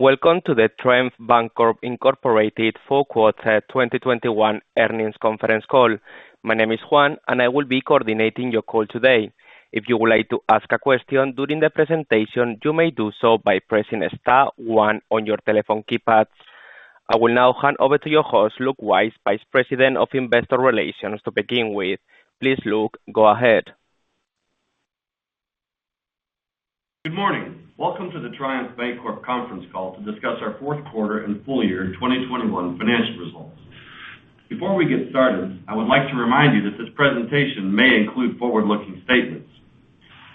Welcome to the Triumph Bancorp, Inc. fourth quarter 2021 earnings conference call. My name is Juan and I will be coordinating your call today. If you would like to ask a question during the presentation, you may do so by pressing star one on your telephone keypads. I will now hand over to your host, Luke Wyse, Vice President of Investor Relations to begin with. Please, Luke, go ahead. Good morning. Welcome to the Triumph Bancorp conference call to discuss our fourth quarter and full year 2021 financial results. Before we get started, I would like to remind you that this presentation may include forward-looking statements.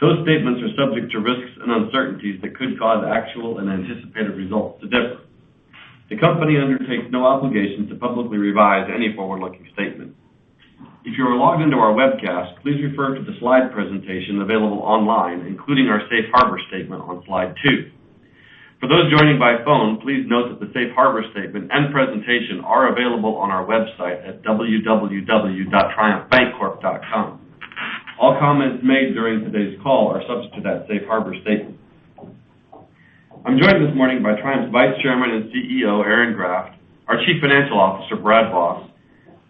Those statements are subject to risks and uncertainties that could cause actual and anticipated results to differ. The company undertakes no obligation to publicly revise any forward-looking statement. If you are logged into our webcast, please refer to the slide presentation available online, including our safe harbor statement on slide two. For those joining by phone, please note that the safe harbor statement and presentation are available on our website at www.triumphbancorp.com. All comments made during today's call are subject to that safe harbor statement. I'm joined this morning by Triumph's Vice Chairman and CEO, Aaron Graft, our Chief Financial Officer, Brad Voss,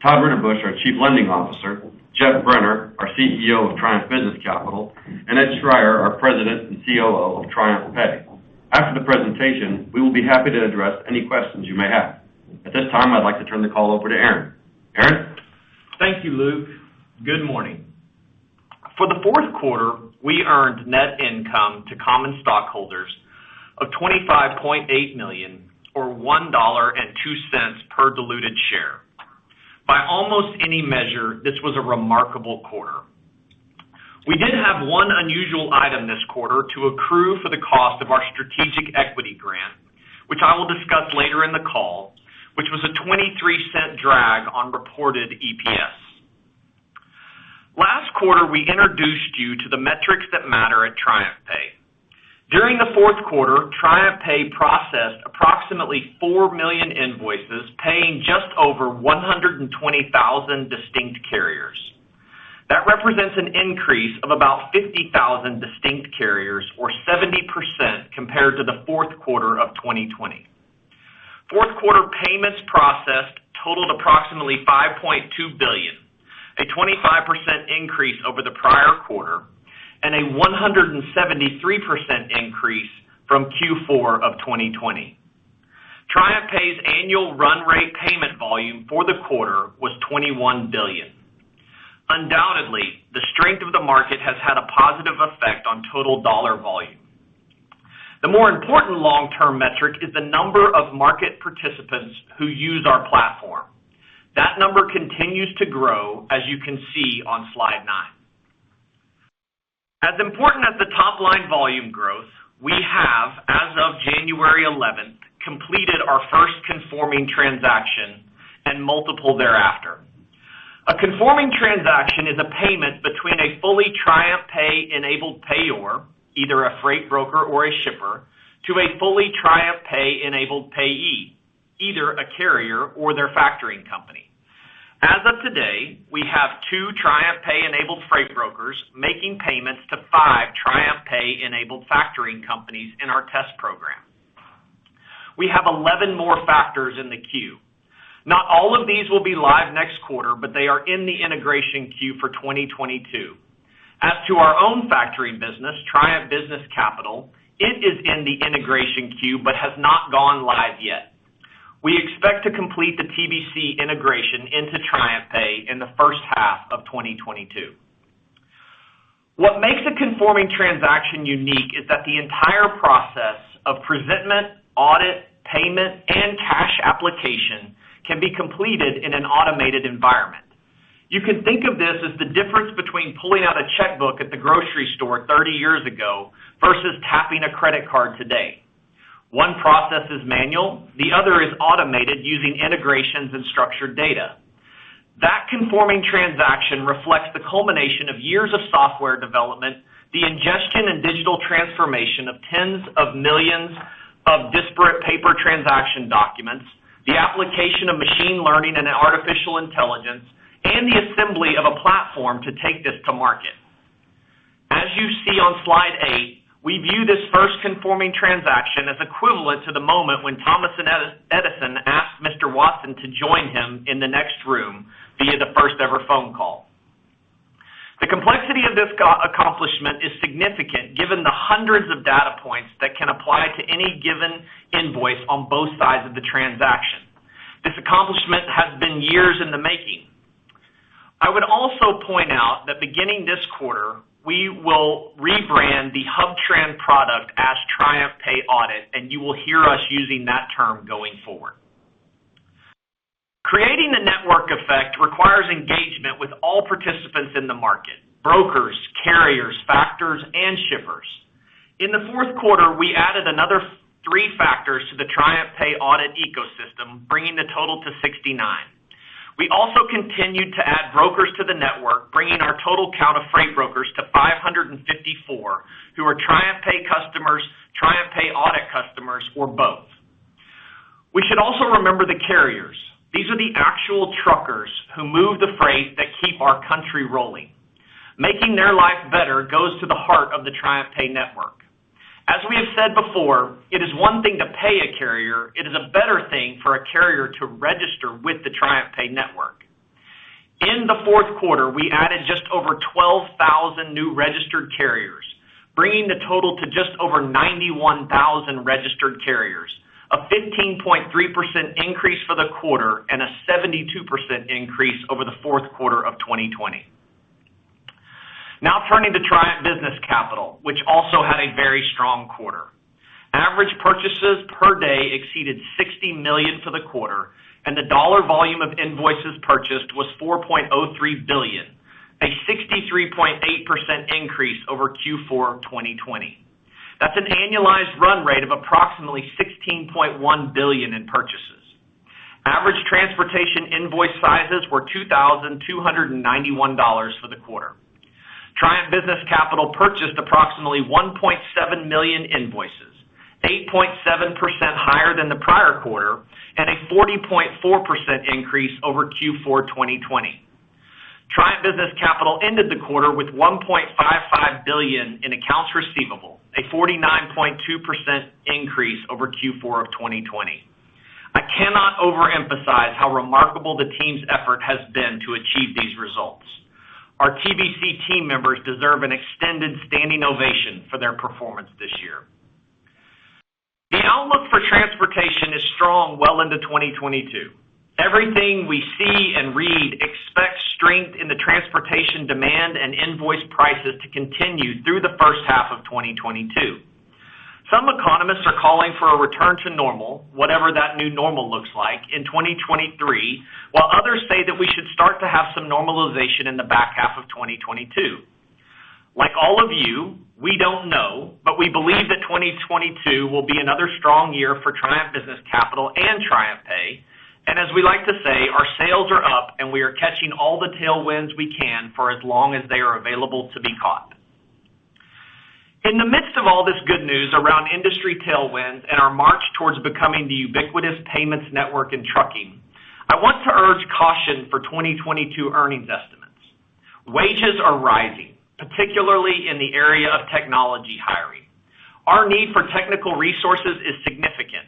Todd Ritterbusch, our Chief Lending Officer, Geoff Brenner, our CEO of Triumph Business Capital, and Ed Schreyer, our President and COO of TriumphPay. After the presentation, we will be happy to address any questions you may have. At this time, I'd like to turn the call over to Aaron. Aaron? Thank you, Luke. Good morning. For the fourth quarter, we earned net income to common stockholders of $25.8 million or $1.02 per diluted share. By almost any measure, this was a remarkable quarter. We did have one unusual item this quarter to accrue for the cost of our strategic equity grant, which I will discuss later in the call, which was a $0.23 drag on reported EPS. Last quarter, we introduced you to the metrics that matter at TriumphPay. During the fourth quarter, TriumphPay processed approximately 4 million invoices, paying just over 120,000 distinct carriers. That represents an increase of about 50,000 distinct carriers or 70% compared to the fourth quarter of 2020. Fourth quarter payments processed totaled approximately $5.2 billion, a 25% increase over the prior quarter and a 173% increase from Q4 of 2020. TriumphPay's annual run rate payment volume for the quarter was $21 billion. Undoubtedly, the strength of the market has had a positive effect on total dollar volume. The more important long-term metric is the number of market participants who use our platform. That number continues to grow, as you can see on slide nine. As important as the top-line volume growth, we have, as of January 11, completed our first conforming transaction and multiple thereafter. A conforming transaction is a payment between a fully TriumphPay-enabled payor, either a freight broker or a shipper, to a fully TriumphPay-enabled payee, either a carrier or their factoring company. As of today, we have two TriumphPay-enabled freight brokers making payments to five TriumphPay-enabled factoring companies in our test program. We have 11 more factors in the queue. Not all of these will be live next quarter, but they are in the integration queue for 2022. As to our own factoring business, Triumph Business Capital, it is in the integration queue but has not gone live yet. We expect to complete the TBC integration into TriumphPay in the first half of 2022. What makes a conforming transaction unique is that the entire process of presentment, audit, payment, and cash application can be completed in an automated environment. You can think of this as the difference between pulling out a checkbook at the grocery store 30 years ago versus tapping a credit card today. One process is manual, the other is automated using integrations and structured data. That conforming transaction reflects the culmination of years of software development, the ingestion and digital transformation of tens of millions of disparate paper transaction documents, the application of machine learning and artificial intelligence, and the assembly of a platform to take this to market. As you see on slide eight, we view this first conforming transaction as equivalent to the moment when Thomas Edison asked Mr. Watson to join him in the next room via the first ever phone call. The complexity of this accomplishment is significant given the hundreds of data points that can apply to any given invoice on both sides of the transaction. This accomplishment has been years in the making. I would also point out that beginning this quarter, we will rebrand the HubTran product as TriumphPay Audit, and you will hear us using that term going forward. Creating the network effect requires engagement with all participants in the market, brokers, carriers, factors, and shippers. In the fourth quarter, we added another three factors to the TriumphPay Audit ecosystem, bringing the total to 69. We also continued to add brokers to the network, bringing our total count of freight brokers to 554 who are TriumphPay customers, TriumphPay Audit customers, or both. We should also remember the carriers. These are the actual truckers who move the freight that keep our country rolling. Making their life better goes to the heart of the TriumphPay network. As we have said before, it is one thing to pay a carrier, it is a better thing for a carrier to register with the TriumphPay network. In the fourth quarter, we added just over 12,000 new registered carriers, bringing the total to just over 91,000 registered carriers, a 15.3% increase for the quarter and a 72% increase over the fourth quarter of 2020. Now turning to Triumph Business Capital, which also had a very strong quarter. Average purchases per day exceeded $60 million for the quarter, and the dollar volume of invoices purchased was $4.03 billion, a 63.8% increase over Q4 2020. That's an annualized run rate of approximately $16.1 billion in purchases. Average transportation invoice sizes were $2,291 for the quarter. Triumph Business Capital purchased approximately 1.7 million invoices, 8.7% higher than the prior quarter, and a 40.4% increase over Q4 2020. Triumph Business Capital ended the quarter with $1.55 billion in accounts receivable, a 49.2% increase over Q4 of 2020. I cannot overemphasize how remarkable the team's effort has been to achieve these results. Our TBC team members deserve an extended standing ovation for their performance this year. The outlook for transportation is strong well into 2022. Everything we see and read expects strength in the transportation demand and invoice prices to continue through the first half of 2022. Some economists are calling for a return to normal, whatever that new normal looks like, in 2023, while others say that we should start to have some normalization in the back half of 2022. Like all of you, we don't know, but we believe that 2022 will be another strong year for Triumph Business Capital and TriumphPay. As we like to say, our sales are up, and we are catching all the tailwinds we can for as long as they are available to be caught. In the midst of all this good news around industry tailwinds and our march towards becoming the ubiquitous payments network in trucking, I want to urge caution for 2022 earnings estimates. Wages are rising, particularly in the area of technology hiring. Our need for technical resources is significant,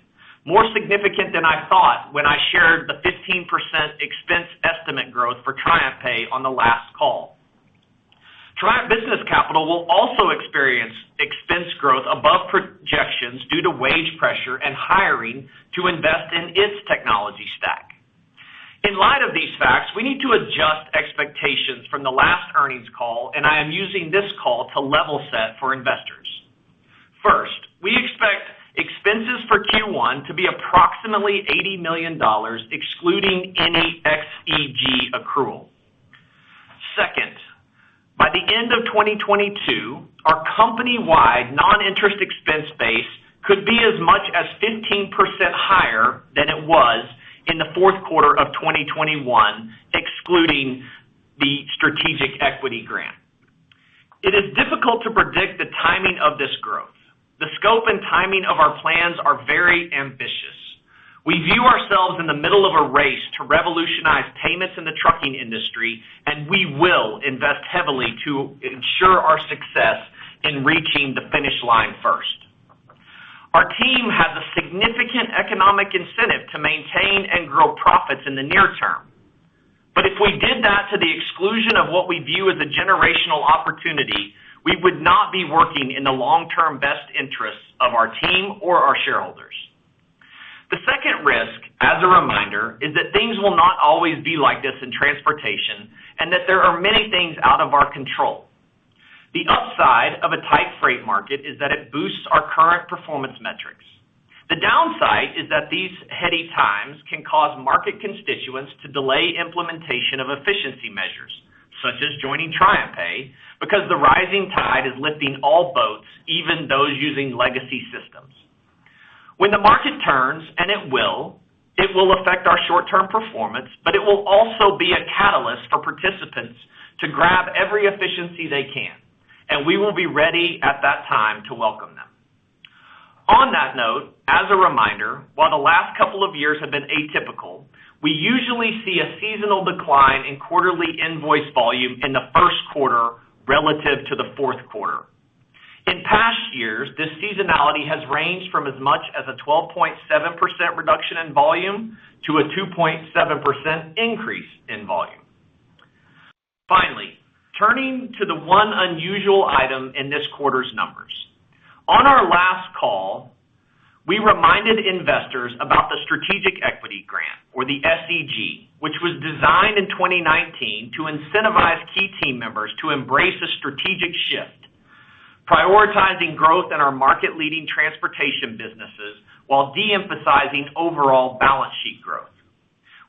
more significant than I thought when I shared the 15% expense estimate growth for TriumphPay on the last call. Triumph Business Capital will also experience expense growth above projections due to wage pressure and hiring to invest in its technology stack. In light of these facts, we need to adjust expectations from the last earnings call, and I am using this call to level set for investors. First, we expect expenses for Q1 to be approximately $80 million, excluding any SEG accrual. Second, by the end of 2022, our company-wide non-interest expense base could be as much as 15% higher than it was in the fourth quarter of 2021, excluding the Strategic Equity Grant. It is difficult to predict the timing of this growth. The scope and timing of our plans are very ambitious. We view ourselves in the middle of a race to revolutionize payments in the trucking industry, and we will invest heavily to ensure our success in reaching the finish line first. Our team has a significant economic incentive to maintain and grow profits in the near term. But if we did that to the exclusion of what we view as a generational opportunity, we would not be working in the long-term best interests of our team or our shareholders. The second risk, as a reminder, is that things will not always be like this in transportation, and that there are many things out of our control. The upside of a tight freight market is that it boosts our current performance metrics. The downside is that these heady times can cause market constituents to delay implementation of efficiency measures, such as joining TriumphPay, because the rising tide is lifting all boats, even those using legacy systems. When the market turns, and it will, it will affect our short-term performance, but it will also be a catalyst for participants to grab every efficiency they can, and we will be ready at that time to welcome them. On that note, as a reminder, while the last couple of years have been atypical, we usually see a seasonal decline in quarterly invoice volume in the first quarter relative to the fourth quarter. In past years, this seasonality has ranged from as much as a 12.7% reduction in volume to a 2.7% increase in volume. Finally, turning to the one unusual item in this quarter's numbers. On our last call, we reminded investors about the Strategic Equity Grant or the SEG, which was designed in 2019 to incentivize key team members to embrace a strategic shift, prioritizing growth in our market-leading transportation businesses while de-emphasizing overall balance sheet growth.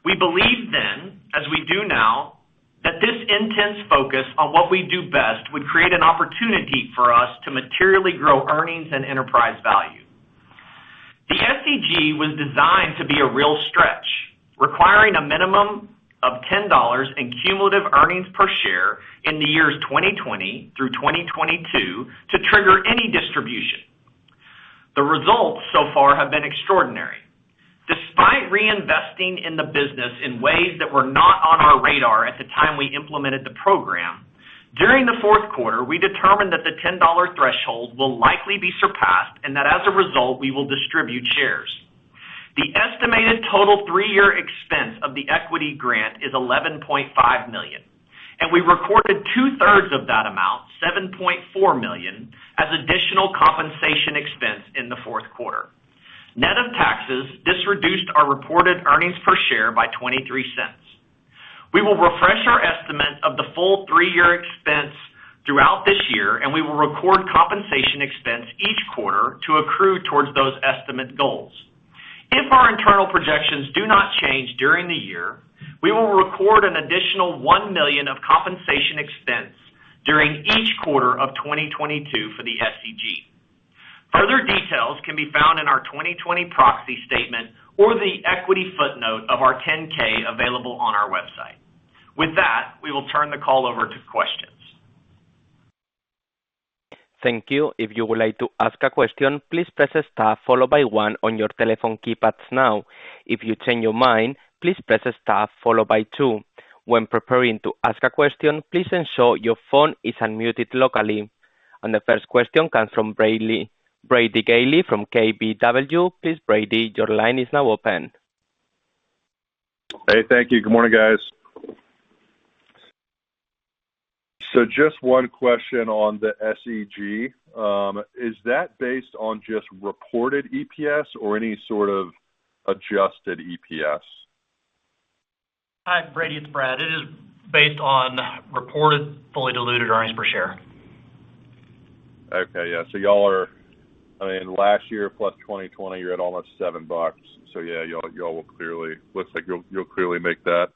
We believed then, as we do now, that this intense focus on what we do best would create an opportunity for us to materially grow earnings and enterprise value. The SEG was designed to be a real stretch, requiring a minimum of $10 in cumulative earnings per share in the years 2020 through 2022 to trigger any distribution. The results so far have been extraordinary. Despite reinvesting in the business in ways that were not on our radar at the time we implemented the program, during the fourth quarter, we determined that the $10 threshold will likely be surpassed, and that as a result, we will distribute shares. The estimated total three-year expense of the equity grant is $11.5 million, and we recorded two-thirds of that amount, $7.4 million, as additional compensation expense in the fourth quarter. Net of taxes, this reduced our reported earnings per share by $0.23. We will refresh our estimate of the full three-year expense throughout this year, and we will record compensation expense each quarter to accrue towards those estimate goals. If our internal projections do not change during the year, we will record an additional $1 million of compensation expense during each quarter of 2022 for the SEG. Further details can be found in our 2020 Proxy Statement or the equity footnote of our 10-K available on our website. With that, we will turn the call over to questions. Thank you. If you would like to ask a question, please press star followed by one on your telephone keypads now. If you change your mind, please press star followed by two. When preparing to ask a question, please ensure your phone is unmuted locally. The first question comes from Brady Gailey from KBW. Please, Brady, your line is now open. Hey, thank you. Good morning, guys. Just one question on the SEG. Is that based on just reported EPS or any sort of adjusted EPS? Hi, Brady, it's Brad. It is based on reported fully diluted earnings per share. Okay. Yeah. I mean, last year, plus 2020, you're at almost $7. Yeah, y'all will clearly make that. Looks like you'll clearly make that.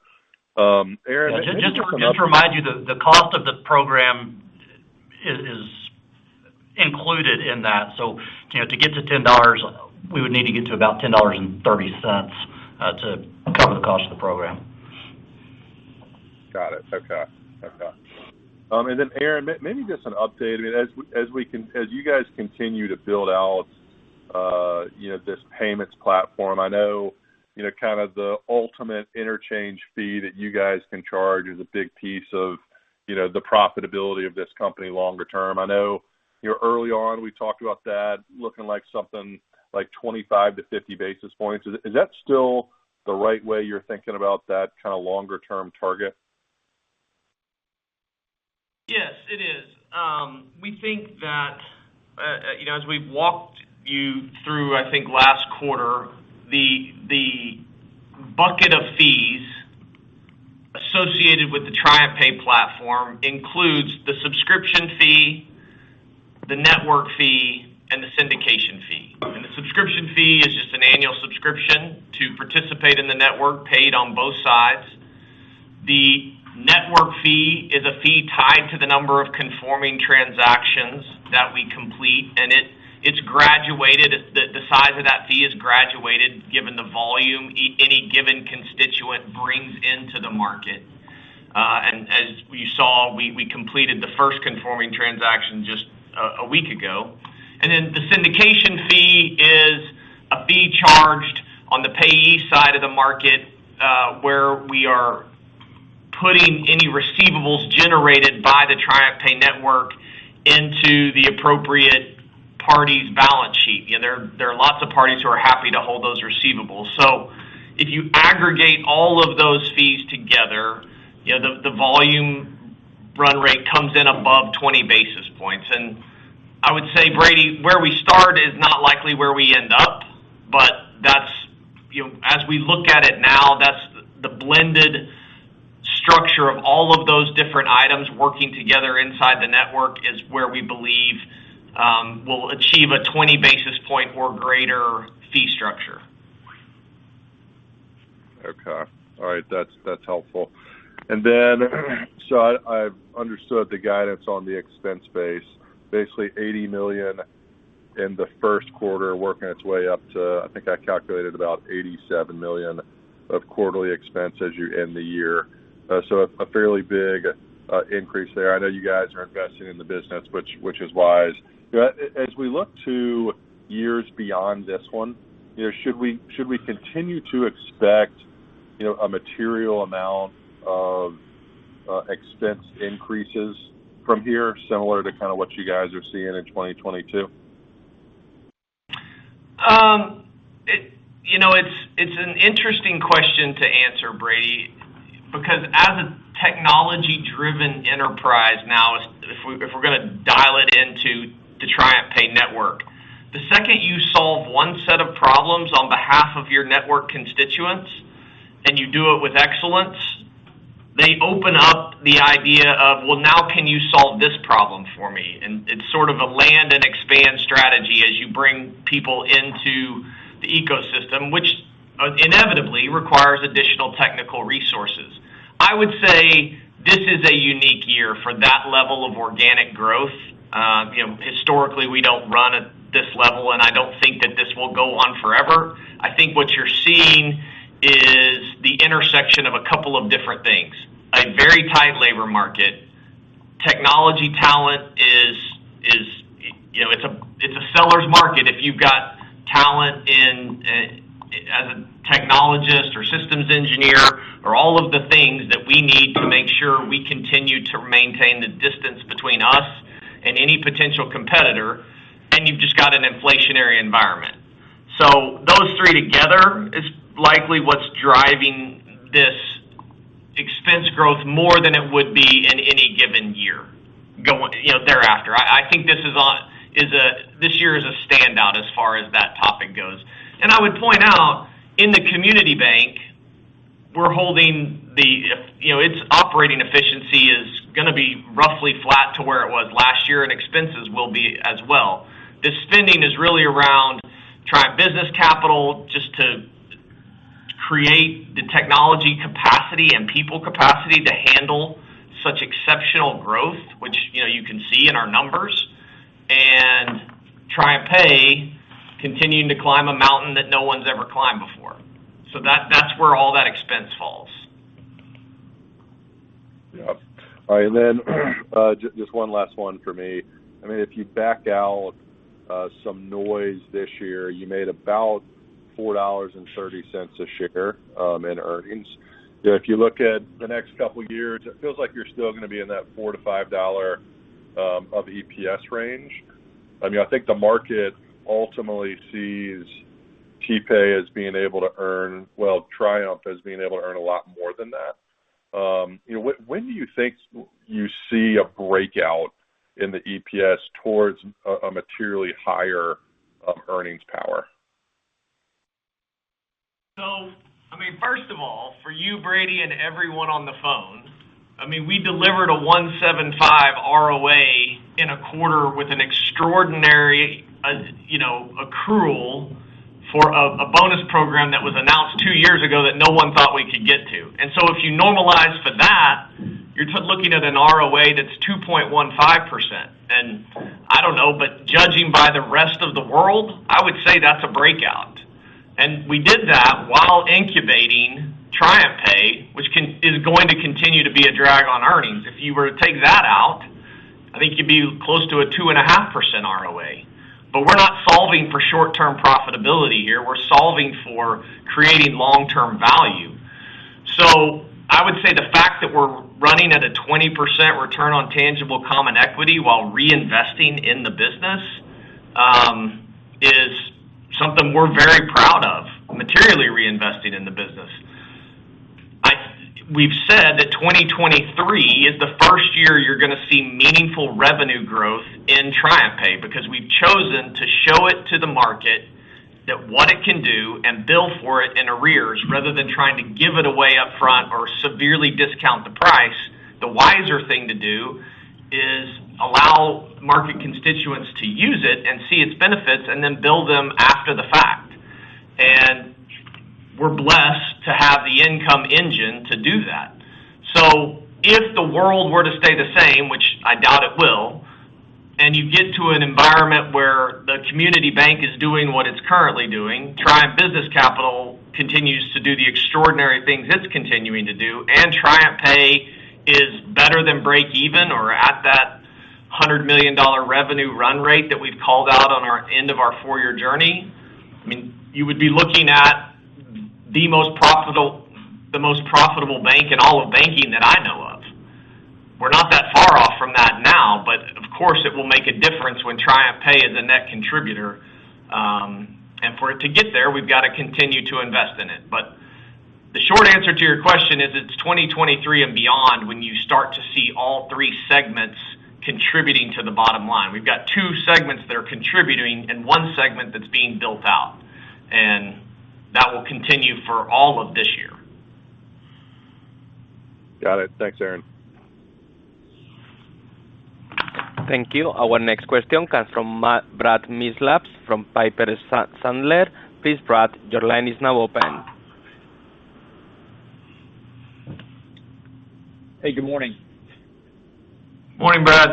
Aaron. Just to remind you, the cost of the program is included in that. You know, to get to $10, we would need to get to about $10.30 to cover the cost of the program. Got it. Okay. Aaron, maybe just an update. I mean, as you guys continue to build out, you know, this payments platform, I know, you know, kind of the ultimate interchange fee that you guys can charge is a big piece of, you know, the profitability of this company longer term. I know, you know, early on, we talked about that looking like something like 25-50 basis points. Is that still the right way you're thinking about that kinda longer-term target? Yes, it is. We think that, you know, as we've walked you through, I think last quarter, the bucket of fees associated with the TriumphPay platform includes the subscription fee, the network fee, and the syndication fee. The subscription fee is just an annual subscription to participate in the network paid on both sides. The network fee is a fee tied to the number of conforming transactions that we complete, and it's graduated. The size of that fee is graduated, given the volume any given constituent brings into the market. As you saw, we completed the first conforming transaction just a week ago. The syndication fee is a fee charged on the payee side of the market, where we are putting any receivables generated by the TriumphPay network into the appropriate party's balance sheet. You know, there are lots of parties who are happy to hold those receivables. If you aggregate all of those fees together, you know, the volume run rate comes in above 20 basis points. I would say, Brady, where we start is not likely where we end up, but that's, you know as we look at it now, that's the blended structure of all of those different items working together inside the network is where we believe we'll achieve a 20 basis point or greater fee structure. Okay. All right. That's, that's helpful. I've understood the guidance on the expense base, basically $80 million in the first quarter, working its way up to, I think I calculated about $87 million of quarterly expense as you end the year. A fairly big increase there. I know you guys are investing in the business, which is wise. You know, as we look to years beyond this one, you know, should we continue to expect, you know, a material amount of expense increases from here similar to kinda what you guys are seeing in 2022? You know, it's an interesting question to answer, Brady, because as a technology-driven enterprise now, if we're gonna dial it into the TriumphPay network. The second you solve one set of problems on behalf of your network constituents, and you do it with excellence, they open up the idea of, "Well, now can you solve this problem for me?" It's sort of a land and expand strategy as you bring people into the ecosystem, which inevitably requires additional technical resources. I would say this is a unique year for that level of organic growth. You know, historically, we don't run. I think that this will go on forever. I think what you're seeing is the intersection of a couple of different things. A very tight labor market. Technology talent is, you know, it's a seller's market. If you've got talent in as a technologist or systems engineer or all of the things that we need to make sure we continue to maintain the distance between us and any potential competitor, then you've just got an inflationary environment. Those three together is likely what's driving this expense growth more than it would be in any given year going, you know, thereafter. I think this year is a standout as far as that topic goes. I would point out in the community bank, we're holding the, you know, its operating efficiency is gonna be roughly flat to where it was last year, and expenses will be as well. The spending is really around Triumph Business Capital just to create the technology capacity and people capacity to handle such exceptional growth, which, you know, you can see in our numbers. TriumphPay continuing to climb a mountain that no one's ever climbed before. That's where all that expense falls. Yeah. All right. Then, just one last one for me. I mean, if you back out some noise this year, you made about $4.30 a share in earnings. You know, if you look at the next couple of years, it feels like you're still gonna be in that $4-$5 of EPS range. I mean, I think the market ultimately sees TPay as being able to earn, well, Triumph as being able to earn a lot more than that. You know, when do you think you see a breakout in the EPS towards a materially higher earnings power? I mean, first of all, for you, Brady, and everyone on the phone, I mean, we delivered a 1.75% ROA in a quarter with an extraordinary accrual for a bonus program that was announced two years ago that no one thought we could get to. If you normalize for that, you're looking at an ROA that's 2.15%. I don't know, but judging by the rest of the world, I would say that's a breakout. We did that while incubating TriumphPay, which is going to continue to be a drag on earnings. If you were to take that out, I think you'd be close to a 2.5% ROA. We're not solving for short-term profitability here, we're solving for creating long-term value. I would say the fact that we're running at a 20% return on tangible common equity while reinvesting in the business is something we're very proud of, materially reinvesting in the business. We've said that 2023 is the first year you're gonna see meaningful revenue growth in TriumphPay because we've chosen to show it to the market that what it can do and bill for it in arrears rather than trying to give it away up front or severely discount the price. The wiser thing to do is allow market constituents to use it and see its benefits and then bill them after the fact. We're blessed to have the income engine to do that. If the world were to stay the same, which I doubt it will, and you get to an environment where the community bank is doing what it's currently doing, Triumph Business Capital continues to do the extraordinary things it's continuing to do, and TriumphPay is better than break even or at that $100 million revenue run rate that we've called out on our end of our four-year journey. I mean, you would be looking at the most profitable bank in all of banking that I know of. We're not that far off from that now, but of course, it will make a difference when TriumphPay is a net contributor. And for it to get there, we've got to continue to invest in it. The short answer to your question is it's 2023 and beyond when you start to see all three segments contributing to the bottom line. We've got two segments that are contributing and one segment that's being built out, and that will continue for all of this year. Got it. Thanks, Aaron. Thank you. Our next question comes from Brad Milsaps from Piper Sandler. Please, Brad, your line is now open. Hey, good morning. Morning, Brad.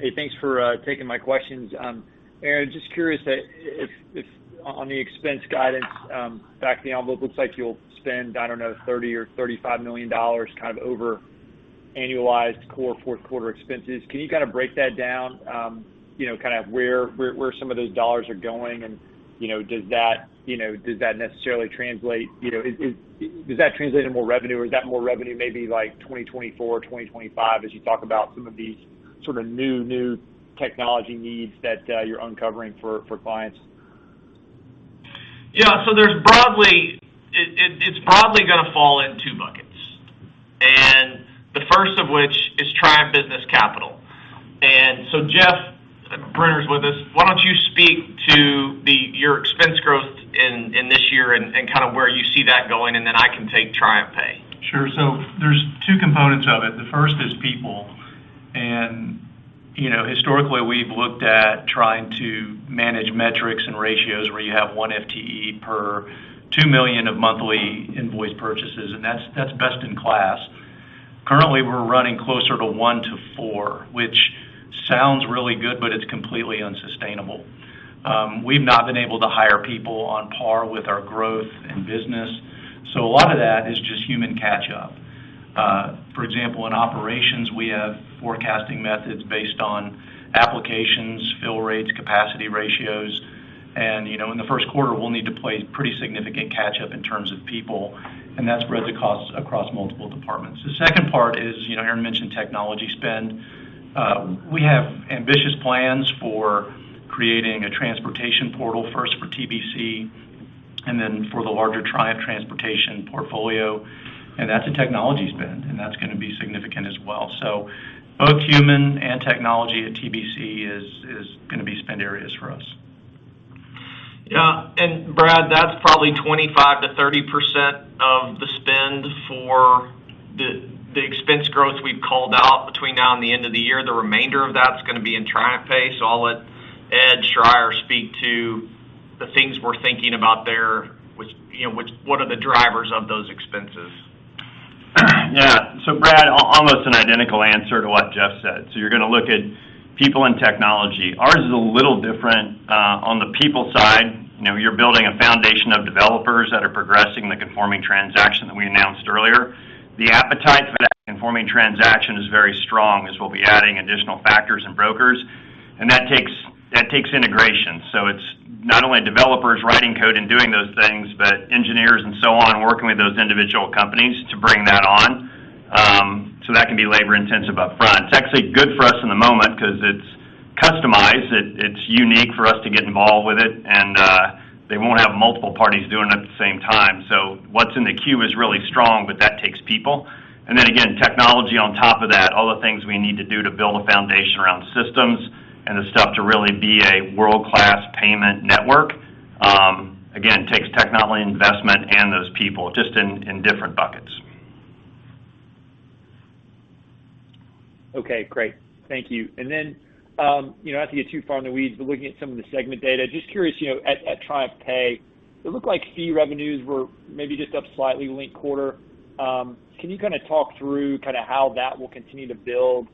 Hey, thanks for taking my questions. Aaron, just curious, if on the expense guidance, back of the envelope, looks like you'll spend, I don't know, $30-$35 million kind of over annualized core fourth quarter expenses. Can you kind of break that down, you know, kind of where some of those dollars are going? You know, does that necessarily translate? Does that translate into more revenue, or is that more revenue maybe like 2024 or 2025, as you talk about some of these sort of new technology needs that you're uncovering for clients? Yeah. There's broadly gonna fall in two buckets, and the first of which is Triumph Business Capital. Geoff Brenner's with us. Why don't you speak to your expense growth in this year and kind of where you see that going, and then I can take TriumphPay. Sure. There's two components of it. The first is people. You know, historically, we've looked at trying to manage metrics and ratios where you have one FTE per $2 million of monthly invoice purchases, and that's best in class. Currently, we're running closer to one to four, which sounds really good, but it's completely unsustainable. We've not been able to hire people on par with our growth and business. A lot of that is just human catch-up. For example, in operations, we have forecasting methods based on applications, fill rates, capacity ratios, and, you know, in the first quarter, we'll need to play pretty significant catch-up in terms of people, and that's really costs across multiple departments. The second part is, you know, Aaron mentioned technology spend. We have ambitious plans for creating a transportation portal first for TBC, and then for the larger Triumph Transportation portfolio. That's a technology spend, and that's gonna be significant as well. Both human and technology at TBC is gonna be spend areas for us. Yeah. Brad, that's probably 25%-30% of the spend for the expense growth we've called out between now and the end of the year. The remainder of that's gonna be in TriumphPay, so I'll let Ed Schreyer speak to the things we're thinking about there, which, you know, what are the drivers of those expenses. Yeah. Brad, almost an identical answer to what Geoff said. You're gonna look at people and technology. Ours is a little different on the people side. You know, you're building a foundation of developers that are progressing the conforming transaction that we announced earlier. The appetite for that conforming transaction is very strong, as we'll be adding additional factors and brokers. That takes integration. It's not only developers writing code and doing those things, but engineers and so on working with those individual companies to bring that on. That can be labor-intensive upfront. It's actually good for us in the moment because it's customized, it's unique for us to get involved with it, and they won't have multiple parties doing it at the same time. What's in the queue is really strong, but that takes people. Then again, technology on top of that, all the things we need to do to build a foundation around systems and the stuff to really be a world-class payment network, again, takes technology investment and those people, just in different buckets. Okay, great. Thank you. You know, not to get too far in the weeds, but looking at some of the segment data, just curious, you know, at TriumphPay, it looked like fee revenues were maybe just up slightly linked quarter. Can you kinda talk through kinda how that will continue to build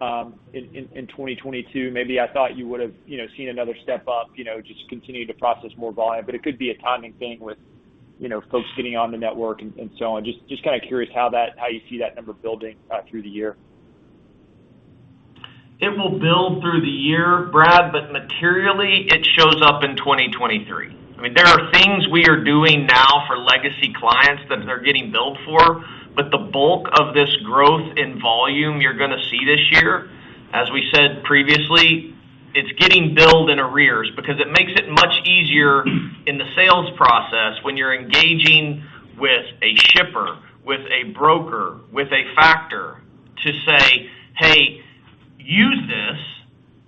in 2022? Maybe I thought you would, you know, seen another step up, you know, just continue to process more volume. But it could be a timing thing with, you know, folks getting on the network and so on. Just kinda curious how you see that number building through the year. It will build through the year, Brad, but materially it shows up in 2023. I mean, there are things we are doing now for legacy clients that they're getting billed for, but the bulk of this growth in volume you're gonna see this year, as we said previously, it's getting billed in arrears because it makes it much easier in the sales process when you're engaging with a shipper, with a broker, with a factor to say, "Hey, use this,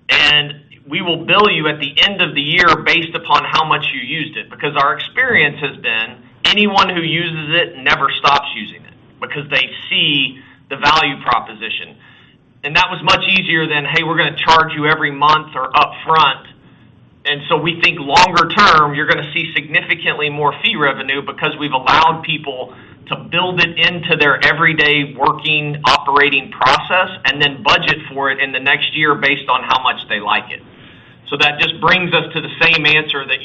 and we will bill you at the end of the year based upon how much you used it." Because our experience has been anyone who uses it never stops using it because they see the value proposition. That was much easier than, "Hey, we're gonna charge you every month or upfront." We think longer term, you're gonna see significantly more fee revenue because we've allowed people to build it into their everyday working operating process, and then budget for it in the next year based on how much they like it. That just brings us to the same answer that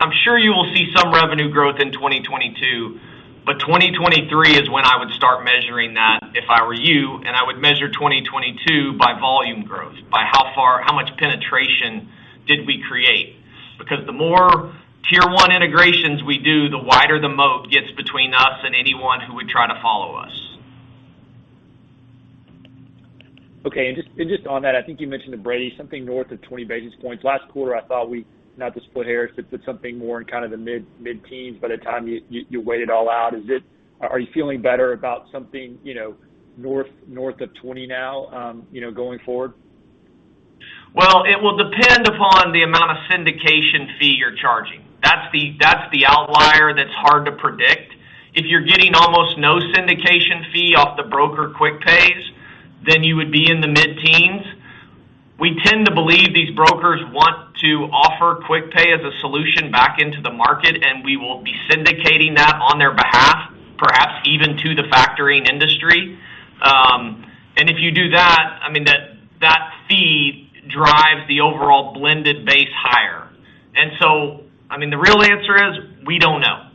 I'm sure you will see some revenue growth in 2022, but 2023 is when I would start measuring that if I were you, and I would measure 2022 by volume growth, by how much penetration did we create. Because the more tier one integrations we do, the wider the moat gets between us and anyone who would try to follow us. Okay. Just on that, I think you mentioned to Brady something north of 20 basis points. Last quarter, I thought we not to split hairs, but put something more in kind of the mid-teens by the time you weigh it all out. Are you feeling better about something, you know, north of 20 now, you know, going forward? Well, it will depend upon the amount of syndication fee you're charging. That's the outlier that's hard to predict. If you're getting almost no syndication fee off the broker quick pays, then you would be in the mid-teens. We tend to believe these brokers want to offer quick pay as a solution back into the market, and we will be syndicating that on their behalf, perhaps even to the factoring industry. If you do that, I mean, that fee drives the overall blended base higher. I mean, the real answer is, we don't know.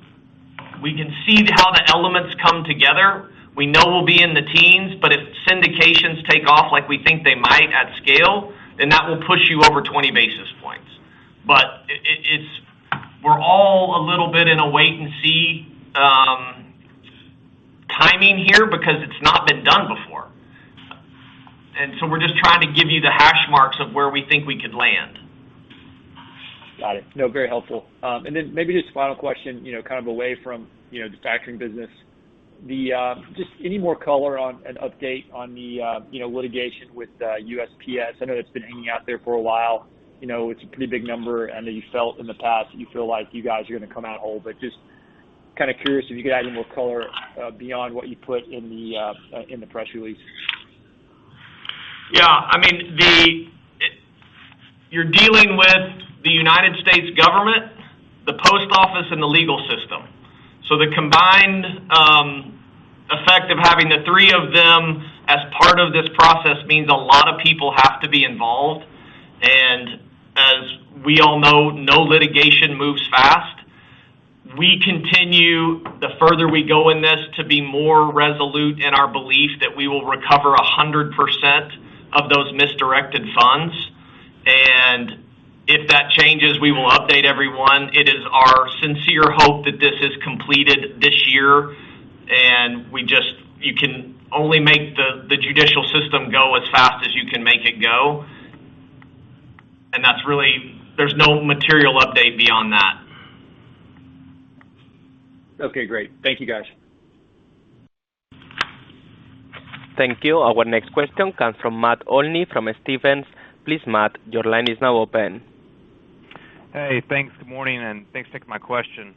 We can see how the elements come together. We know we'll be in the teens, but if syndications take off like we think they might at scale, then that will push you over 20 basis points. We're all a little bit in a wait-and-see timing here because it's not been done before. We're just trying to give you the hash marks of where we think we could land. Got it. No, very helpful. Maybe just final question, you know, kind of away from, you know, the factoring business. Then just any more color on an update on the, you know, litigation with USPS? I know that's been hanging out there for a while. You know, it's a pretty big number and that you felt in the past, you feel like you guys are gonna come out whole. Just kinda curious if you could add any more color beyond what you put in the press release. Yeah, I mean, you're dealing with the United States government, the post office, and the legal system. So the combined effect of having the three of them as part of this process means a lot of people have to be involved. As we all know, no litigation moves fast. We continue, the further we go in this, to be more resolute in our belief that we will recover 100% of those misdirected funds, and if that changes, we will update everyone. It is our sincere hope that this is completed this year, and you can only make the judicial system go as fast as you can make it go. That's really. There's no material update beyond that. Okay, great. Thank you, guys. Thank you. Our next question comes from Matt Olney from Stephens. Please, Matt, your line is now open. Good morning, and thanks for taking my question.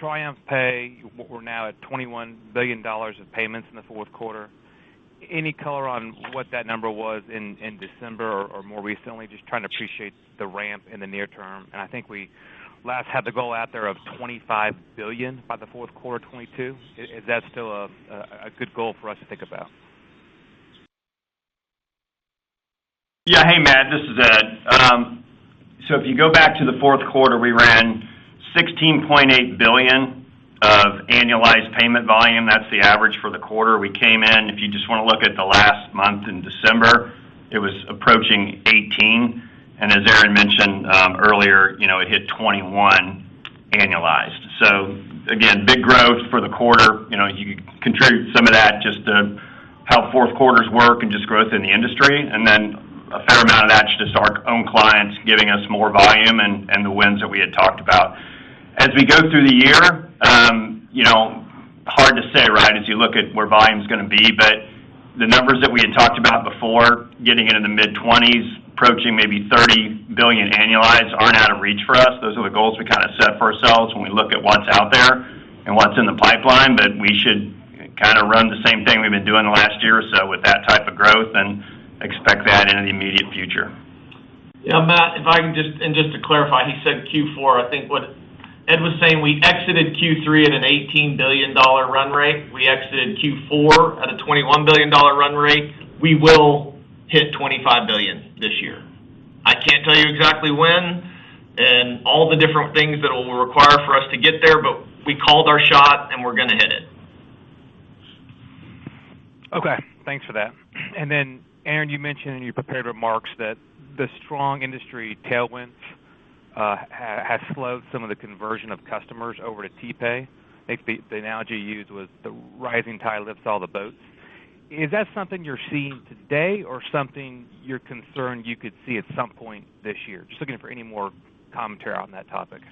TriumphPay, we're now at $21 billion of payments in the fourth quarter. Any color on what that number was in December or more recently? Just trying to appreciate the ramp in the near term. I think we last had the goal out there of $25 billion by the fourth quarter of 2022. Is that still a good goal for us to think about? Yeah. Hey, Matt, this is Ed. So if you go back to the fourth quarter, we ran $16.8 billion of annualized payment volume. That's the average for the quarter. We came in. If you just want to look at the last month in December, it was approaching $18 billion. As Aaron mentioned earlier, you know, it hit $21 billion annualized. Again, big growth for the quarter. You know, you can attribute some of that just to how fourth quarters work and just growth in the industry, and then a fair amount of that just our own clients giving us more volume and the wins that we had talked about. As we go through the year, you know, hard to say, right, as you look at where volume is gonna be. The numbers that we had talked about before, getting into the mid-20s, approaching maybe 30 billion annualized aren't out of reach for us. Those are the goals we kinda set for ourselves when we look at what's out there and what's in the pipeline. We should kinda run the same thing we've been doing the last year or so with that type of growth and expect that in the immediate future. Yeah, Matt, and just to clarify, he said Q4, I think what Ed was saying, we exited Q3 at an $18 billion run rate. We exited Q4 at a $21 billion run rate. We will hit $25 billion this year. I can't tell you exactly when and all the different things that it will require for us to get there, but we called our shot and we're gonna hit it. Okay. Thanks for that. Then, Aaron, you mentioned in your prepared remarks that the strong industry tailwinds has slowed some of the conversion of customers over to TPay. I think the analogy you used was the rising tide lifts all the boats. Is that something you're seeing today or something you're concerned you could see at some point this year? Just looking for any more commentary on that topic.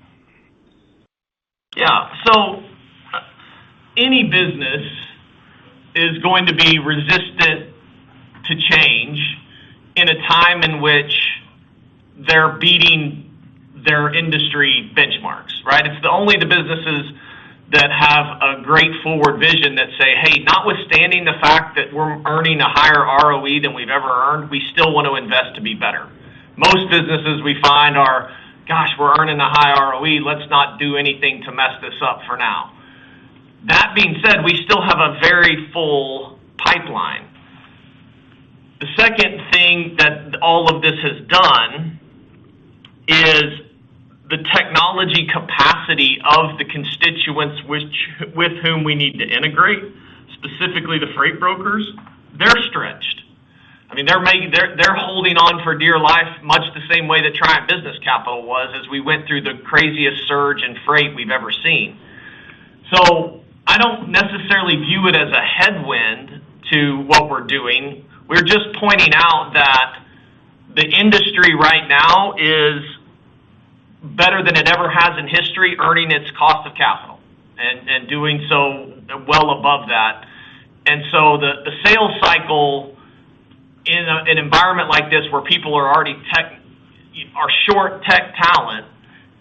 Yeah. Any business is going to be resistant to change in a time in which they're beating their industry benchmarks, right? It's only the businesses that have a great forward vision that say, "Hey, notwithstanding the fact that we're earning a higher ROE than we've ever earned, we still want to invest to be better." Most businesses we find are, "Gosh, we're earning a high ROE. Let's not do anything to mess this up for now." That being said, we still have a very full pipeline. The second thing that all of this has done is the technology capacity of the constituents with whom we need to integrate, specifically the freight brokers, they're stretched. I mean, they're holding on for dear life, much the same way that Triumph Business Capital was as we went through the craziest surge in freight we've ever seen. I don't necessarily view it as a headwind to what we're doing. We're just pointing out that the industry right now is better than it ever has in history, earning its cost of capital and doing so well above that. The sales cycle in an environment like this where people are already short on tech talent,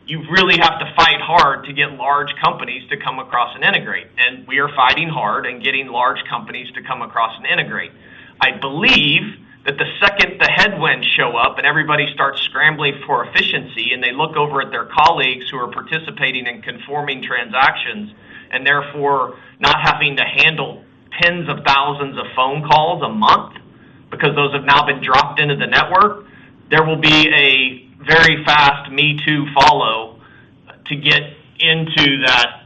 you really have to fight hard to get large companies to come across and integrate. We are fighting hard and getting large companies to come across and integrate. I believe that the second the headwinds show up and everybody starts scrambling for efficiency, and they look over at their colleagues who are participating in conforming transactions and therefore not having to handle tens of thousands of phone calls a month because those have now been dropped into the network, there will be a very fast me-too follow to get into that,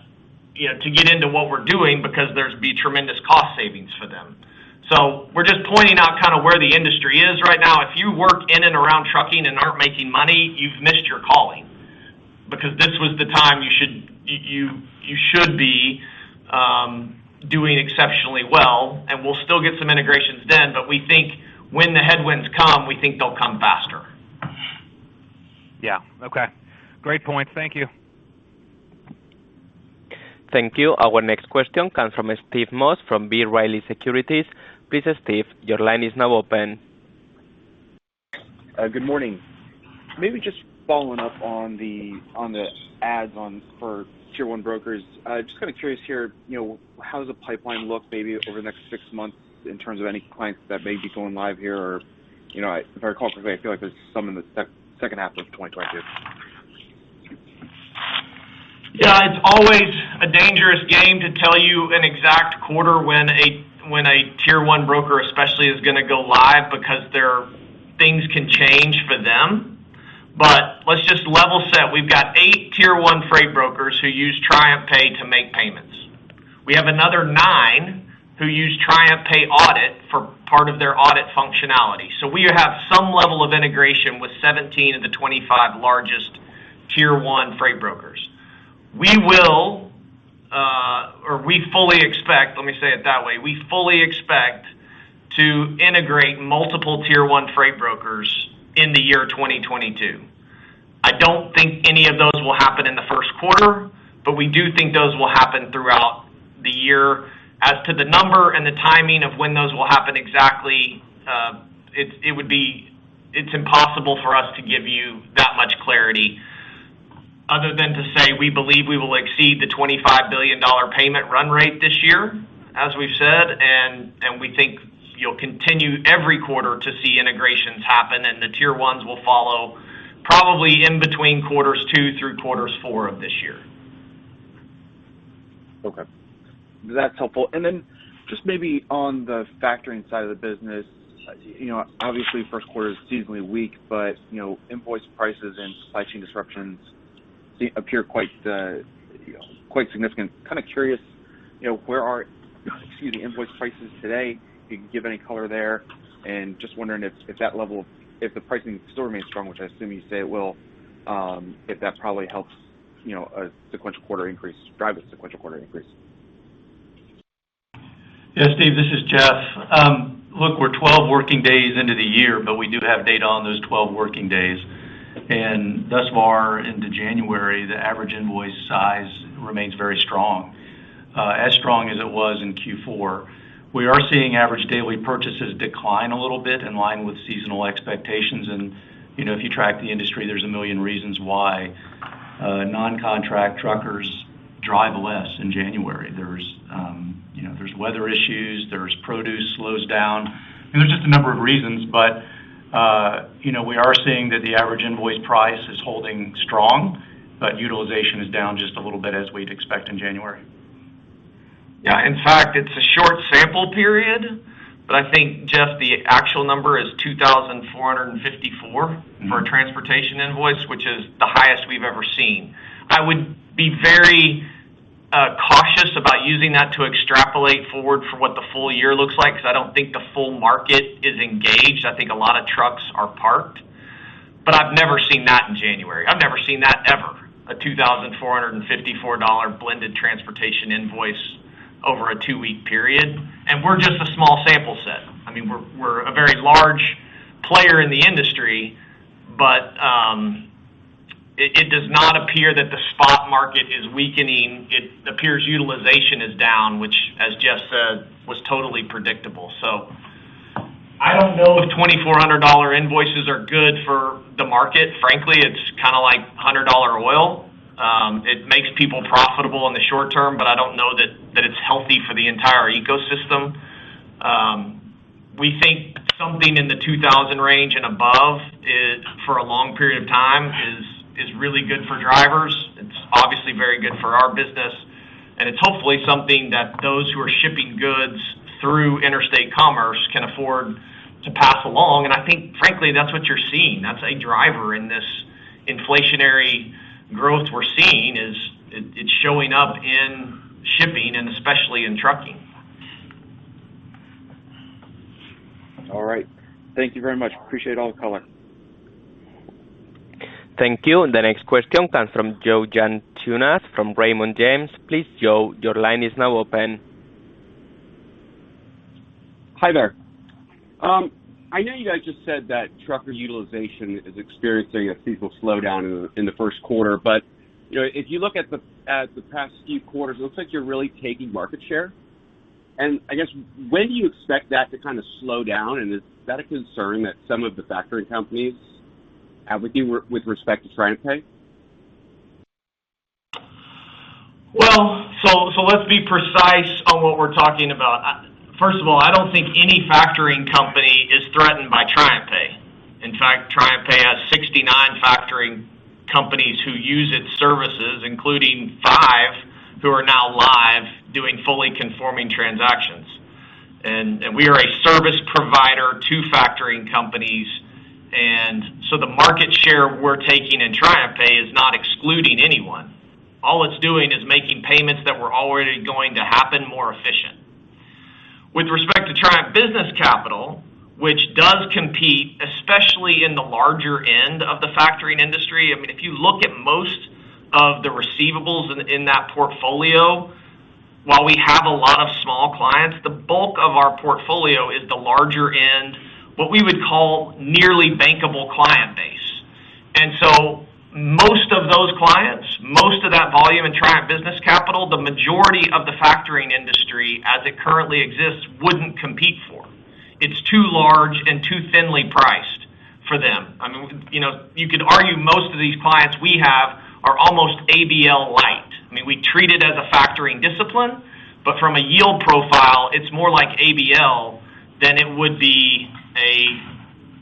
you know, to get into what we're doing because there'll be tremendous cost savings for them. We're just pointing out kinda where the industry is right now. If you work in and around trucking and aren't making money, you've missed your calling because this was the time you should be doing exceptionally well. We'll still get some integrations then, but we think when the headwinds come, we think they'll come faster. Yeah. Okay. Great point. Thank you. Thank you. Our next question comes from Steve Moss from B. Riley Securities. Please, Steve, your line is now open. Good morning. Maybe just following up on the adoption for tier one brokers. Just kind of curious here, you know, how does the pipeline look maybe over the next six months in terms of any clients that may be going live here or, you know, if I recall correctly, I feel like there's some in the second half of 2022. Yeah. It's always a dangerous game to tell you an exact quarter when a tier one broker especially is gonna go live because there are things that can change for them. Let's just level set. We've got eight tier one freight brokers who use TriumphPay to make payments. We have another nine who use TriumphPay Audit for part of their audit functionality. We have some level of integration with 17 of the 25 largest tier one freight brokers. We fully expect, let me say it that way, to integrate multiple tier one freight brokers in the year 2022. I don't think any of those will happen in the first quarter, but we do think those will happen throughout the year. As to the number and the timing of when those will happen exactly, it would be... It's impossible for us to give you that much clarity other than to say we believe we will exceed the $25 billion payment run rate this year, as we've said, and we think you'll continue every quarter to see integrations happen, and the tier ones will follow probably in between quarters 2 through quarters 4 of this year. Okay, that's helpful. Just maybe on the factoring side of the business, you know, obviously first quarter is seasonally weak, but you know, invoice prices and supply chain disruptions appear quite, you know, quite significant. Kind of curious, you know, where are, excuse me, invoice prices today? If you can give any color there. Just wondering if that level, if the pricing still remains strong, which I assume you say it will, if that probably helps, you know, a sequential quarter increase, drive a sequential quarter increase. Yeah, Steve, this is Geoff. Look, we're 12 working days into the year, but we do have data on those 12 working days. Thus far into January, the average invoice size remains very strong, as strong as it was in Q4. We are seeing average daily purchases decline a little bit in line with seasonal expectations. You know, if you track the industry, there's a million reasons why non-contract truckers drive less in January. There's you know, there's weather issues, there's produce slows down, and there's just a number of reasons. You know, we are seeing that the average invoice price is holding strong, but utilization is down just a little bit as we'd expect in January. Yeah. In fact, it's a short sample period, but I think just the actual number is $2,454 for a transportation invoice, which is the highest we've ever seen. I would be very cautious about using that to extrapolate forward for what the full year looks like because I don't think the full market is engaged. I think a lot of trucks are parked. I've never seen that in January. I've never seen that ever, a $2,454 blended transportation invoice over a two-week period. We're just a small sample set. I mean, we're a very large player in the industry, but it does not appear that the spot market is weakening. It appears utilization is down, which as Geoff said, was totally predictable. I don't know if $2,400 invoices are good for the market. Frankly, it's kinda like $100 oil. It makes people profitable in the short term, but I don't know that that it's healthy for the entire ecosystem. We think something in the $2,000 range and above is for a long period of time really good for drivers. It's obviously very good for our business, and it's hopefully something that those who are shipping goods through interstate commerce can afford to pass along. I think frankly, that's what you're seeing. That's a driver in this inflationary growth we're seeing. It's showing up in shipping and especially in trucking. All right. Thank you very much. I appreciate all the color. Thank you. The next question comes from Joe Yanchunis from Raymond James. Please, Joe, your line is now open. Hi, there. I know you guys just said that trucker utilization is experiencing a seasonal slowdown in the first quarter, but you know, if you look at the past few quarters, it looks like you're really taking market share. I guess when do you expect that to kinda slow down, and is that a concern that some of the factoring companies have with you, with respect to TriumphPay? Well, let's be precise on what we're talking about. First of all, I don't think any factoring company is threatened by TriumphPay. In fact, TriumphPay has 69 factoring companies who use its services, including five who are now live doing fully conforming transactions. We are a service provider to factoring companies, and so the market share we're taking in TriumphPay is not excluding anyone. All it's doing is making payments that were already going to happen more efficient. With respect to Triumph Business Capital, which does compete, especially in the larger end of the factoring industry, I mean, if you look at most of the receivables in that portfolio, while we have a lot of small clients, the bulk of our portfolio is the larger end, what we would call nearly bankable client base. Most of those clients, most of that volume attract business capital. The majority of the factoring industry as it currently exist wouldn't compete for. It's too large and too thinly priced for them. I mean, you know, you could argue most of these clients we have are almost ABL light. I mean, we treat it as a factoring discipline, but from a yield profile, it's more like ABL than it would be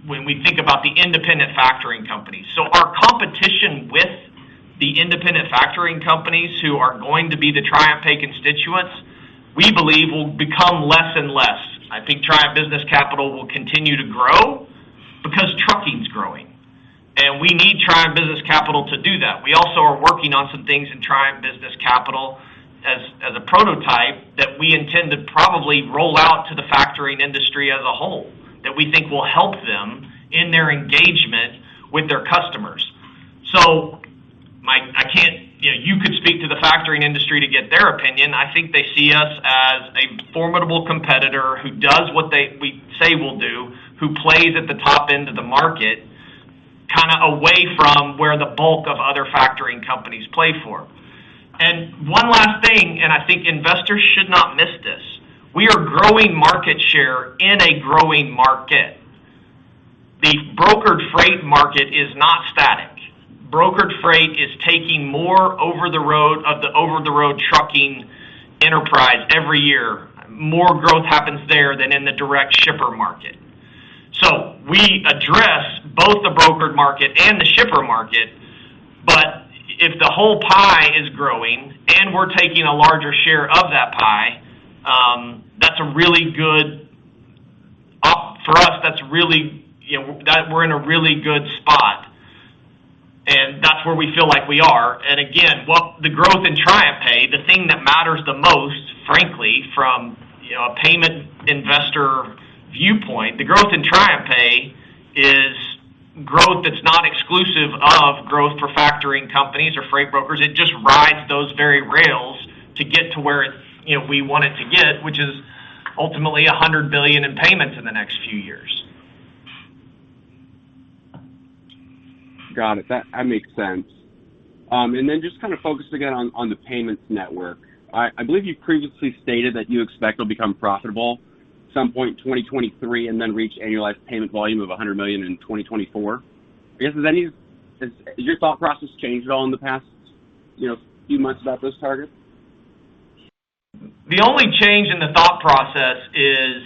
when we think about the independent factoring companies. Our competition with the independent factoring companies who are going to be the TriumphPay constituents, we believe will become less and less. I think Triumph Business Capital will continue to grow because trucking is growing, and we need Triumph Business Capital to do that. We also are working on some things in Triumph Business Capital as a prototype that we intend to probably roll out to the factoring industry as a whole, that we think will help them in their engagement with their customers. You know, you could speak to the factoring industry to get their opinion. I think they see us as a formidable competitor who does what we say we'll do, who plays at the top end of the market, kinda away from where the bulk of other factoring companies play for. One last thing, and I think investors should not miss this. We are growing market share in a growing market. The brokered freight market is not static. Brokered freight is taking more over-the-road of the over-the-road trucking enterprise every year. More growth happens there than in the direct shipper market. We address both the brokered market and the shipper market. If the whole pie is growing and we're taking a larger share of that pie, that's a really good, for us, that's really, you know, that we're in a really good spot. And that's where we feel like we are. What the growth in TriumphPay, the thing that matters the most, frankly, from, you know, a payment investor viewpoint, the growth in TriumphPay is growth that's not exclusive of growth for factoring companies or freight brokers. It just rides those very rails to get to where it, you know, we want it to get, which is ultimately $100 billion in payments in the next few years. Got it. That makes sense. Just kind of focus again on the payments network. I believe you previously stated that you expect it'll become profitable some point in 2023 and then reach annualized payment volume of $100 million in 2024. I guess, has your thought process changed at all in the past, you know, few months about those targets? The only change in the thought process is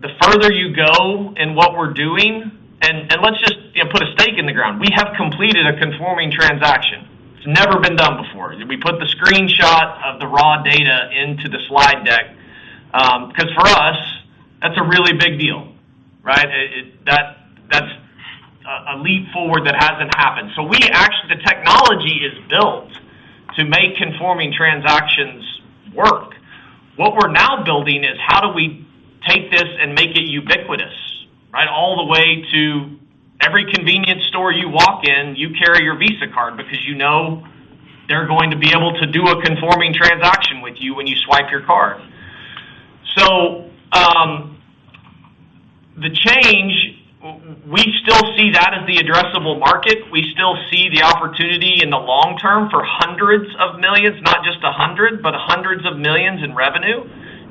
the further you go in what we're doing. Let's just, you know, put a stake in the ground. We have completed a conforming transaction. It's never been done before. We put the screenshot of the raw data into the slide deck, 'cause for us, that's a really big deal, right? That's a leap forward that hasn't happened. The technology is built to make conforming transactions work. What we're now building is how do we take this and make it ubiquitous, right? All the way to every convenience store you walk in, you carry your Visa card because you know they're going to be able to do a conforming transaction with you when you swipe your card. The change, we still see that as the addressable market. We still see the opportunity in the long term for hundreds of millions, not just $100 million, but hundreds of millions in revenue,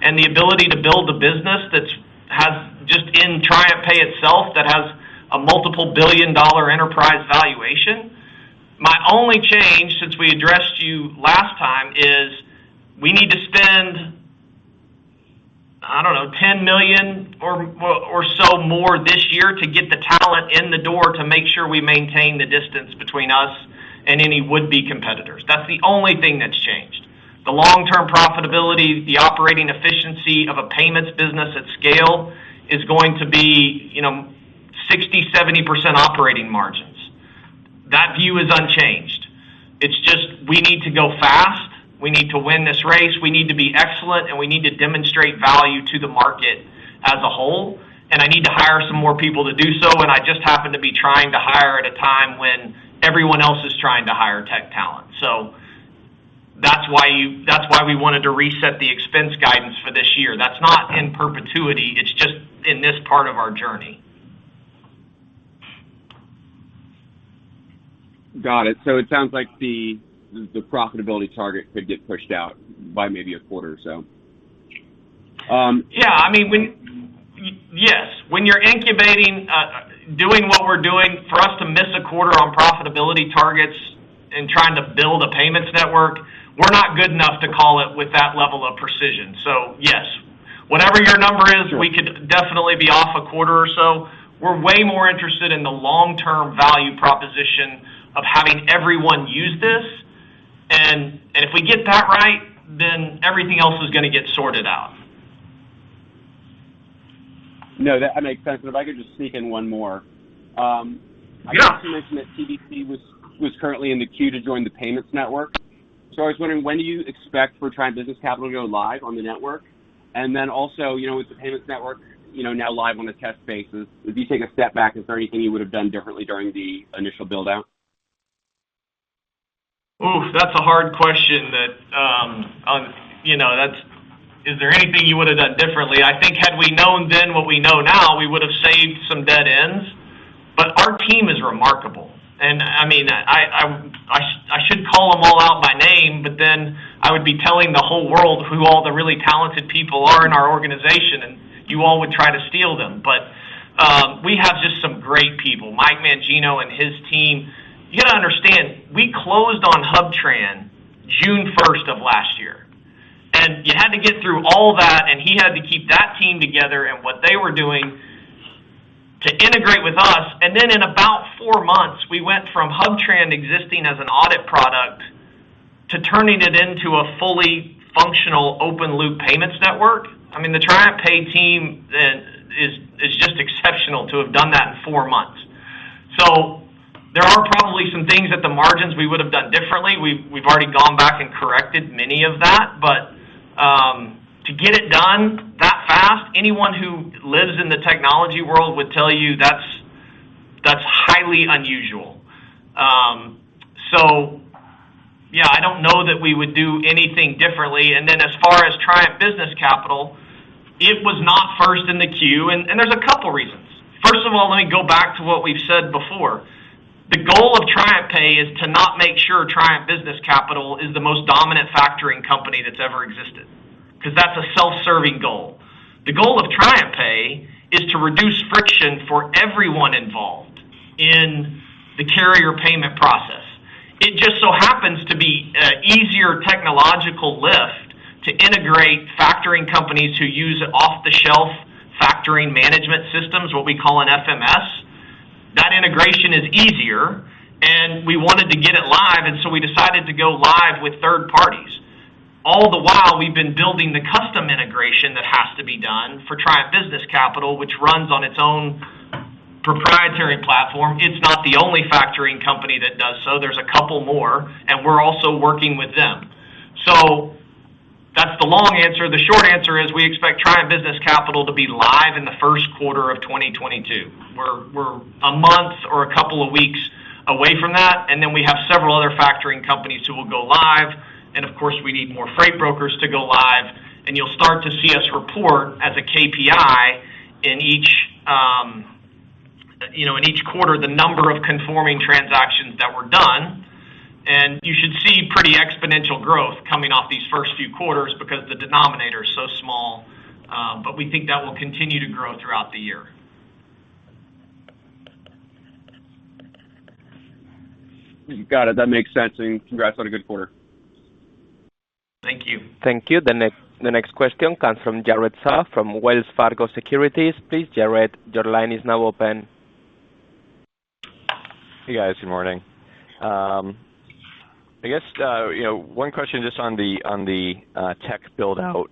and the ability to build a business that has just in TriumphPay itself, that has a multiple billion-dollar enterprise valuation. My only change since we addressed you last time is we need to spend $10 million or so more this year to get the talent in the door to make sure we maintain the distance between us and any would-be competitors. That's the only thing that's changed. The long-term profitability, the operating efficiency of a payments business at scale is going to be, you know, 60%-70% operating margins. That view is unchanged. It's just we need to go fast. We need to win this race. We need to be excellent, and we need to demonstrate value to the market as a whole. I need to hire some more people to do so, and I just happen to be trying to hire at a time when everyone else is trying to hire tech talent. That's why we wanted to reset the expense guidance for this year. That's not in perpetuity. It's just in this part of our journey. Got it. It sounds like the profitability target could get pushed out by maybe a quarter or so. I mean, when you're incubating, doing what we're doing, for us to miss a quarter on profitability targets and trying to build a payments network, we're not good enough to call it with that level of precision. Yes, whatever your number is, we could definitely be off a quarter or so. We're way more interested in the long-term value proposition of having everyone use this. If we get that right, then everything else is gonna get sorted out. No, that makes sense. If I could just sneak in one more. Yeah. I got some mention that TBC was currently in the queue to join the payments network. I was wondering, when do you expect for Triumph Business Capital to go live on the network? Also, you know, with the payments network, you know, now live on a test basis, if you take a step back, is there anything you would have done differently during the initial build-out? Oof, that's a hard question. Is there anything you would have done differently? I think had we known then what we know now, we would have named some, not by name, but then I would be telling the whole world who all the really talented people are in our organization, and you all would try to steal them. But we have just some great people, Mike Mangino and his team. You got to understand, we closed on HubTran June first of last year, and you had to get through all that, and he had to keep that team together and what they were doing to integrate with us. Then in about four months, we went from HubTran existing as an audit product to turning it into a fully functional open loop payments network. I mean, the TriumphPay team is just exceptional to have done that in four months. There are probably some things at the margins we would have done differently. We've already gone back and corrected many of that. To get it done that fast, anyone who lives in the technology world would tell you that's highly unusual. Yeah, I don't know that we would do anything differently. Then as far as Triumph Business Capital, it was not first in the queue. There's a couple reasons. First of all, let me go back to what we've said before. The goal of TriumphPay is to not make sure Triumph Business Capital is the most dominant factoring company that's ever existed, because that's a self-serving goal. The goal of TriumphPay is to reduce friction for everyone involved in the carrier payment process. It just so happens to be an easier technological lift to integrate factoring companies who use off-the-shelf factoring management systems, what we call an FMS. That integration is easier, and we wanted to get it live, and so we decided to go live with third parties. All the while, we've been building the custom integration that has to be done for Triumph Business Capital, which runs on its own proprietary platform. It's not the only factoring company that does so. There's a couple more, and we're also working with them. That's the long answer. The short answer is we expect Triumph Business Capital to be live in the first quarter of 2022. We're a month or a couple of weeks away from that, and then we have several other factoring companies who will go live, and of course, we need more freight brokers to go live. You'll start to see us report as a KPI in each, you know, in each quarter, the number of conforming transactions that were done. You should see pretty exponential growth coming off these first few quarters because the denominator is so small, but we think that will continue to grow throughout the year. Got it. That makes sense. Congrats on a good quarter. Thank you. Thank you. The next question comes from Jared Shaw from Wells Fargo Securities. Please, Jared, your line is now open. Hey, guys. Good morning. I guess you know one question just on the tech build-out.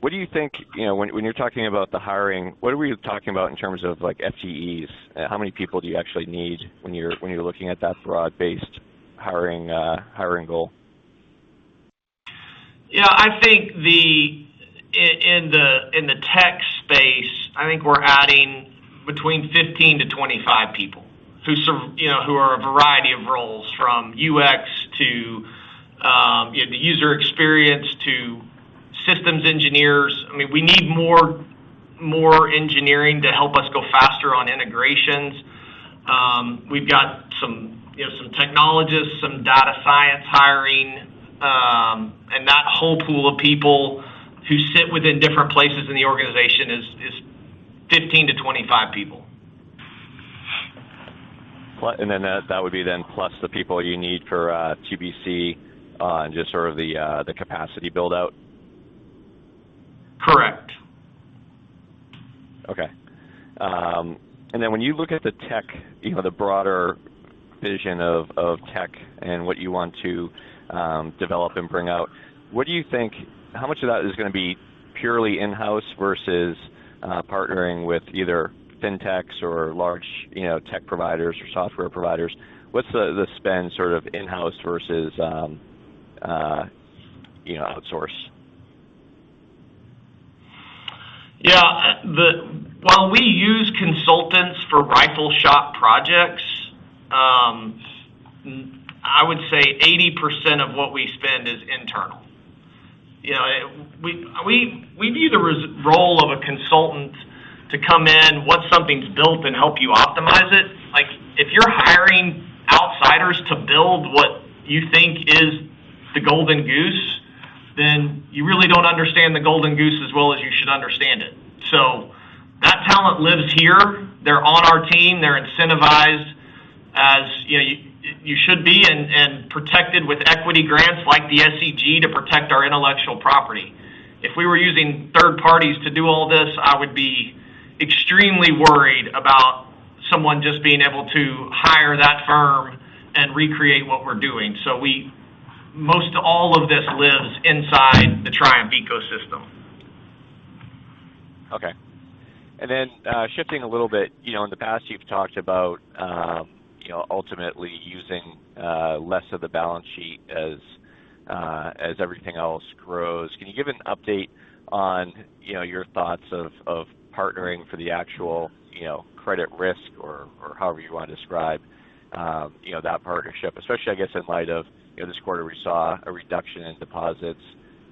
What do you think when you're talking about the hiring, what are we talking about in terms of, like, FTEs? How many people do you actually need when you're looking at that broad-based hiring goal? Yeah, I think in the tech space, I think we're adding between 15-25 people who you know are a variety of roles from UX to you know the user experience to systems engineers. I mean, we need more engineering to help us go faster on integrations. We've got some you know some technologists, some data science hiring, and that whole pool of people who sit within different places in the organization is 15-25 people. That would be then plus the people you need for TBC on just sort of the capacity build-out? Correct. Okay. When you look at the tech, you know, the broader vision of tech and what you want to develop and bring out, what do you think, how much of that is gonna be purely in-house versus partnering with either fintechs or large, you know, tech providers or software providers? What's the spend sort of in-house versus, you know, outsource? While we use consultants for rifle shot projects, I would say 80% of what we spend is internal. You know, we view the role of a consultant to come in once something's built and help you optimize it. Like, if you're hiring outsiders to build what you think is the golden goose, then you really don't understand the golden goose as well as you should understand it. That talent lives here. They're on our team. They're incentivized as, you know, you should be, and protected with equity grants like the SEG to protect our intellectual property. If we were using third parties to do all this, I would be extremely worried about someone just being able to hire that firm and recreate what we're doing. Most all of this lives inside the Triumph ecosystem. Okay. Shifting a little bit. You know, in the past, you've talked about, you know, ultimately using less of the balance sheet as everything else grows. Can you give an update on, you know, your thoughts of partnering for the actual, you know, credit risk or however you want to describe, you know, that partnership? Especially, I guess, in light of, you know, this quarter we saw a reduction in deposits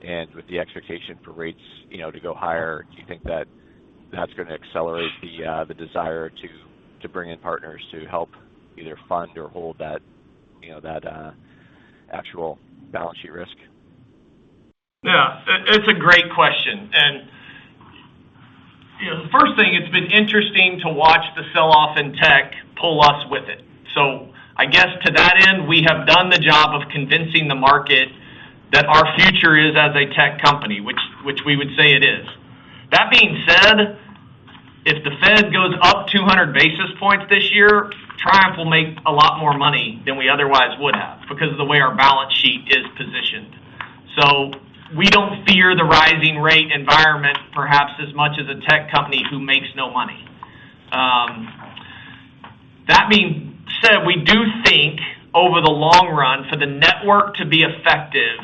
and with the expectation for rates, you know, to go higher. Do you think that that's gonna accelerate the desire to bring in partners to help either fund or hold that, you know, actual balance sheet risk. Yeah. It's a great question. You know, the first thing, it's been interesting to watch the sell-off in tech pull us with it. I guess to that end, we have done the job of convincing the market that our future is as a tech company, which we would say it is. That being said, if the Fed goes up 200 basis points this year, Triumph will make a lot more money than we otherwise would have because of the way our balance sheet is positioned. We don't fear the rising rate environment perhaps as much as a tech company who makes no money. That being said, we do think over the long run for the network to be effective,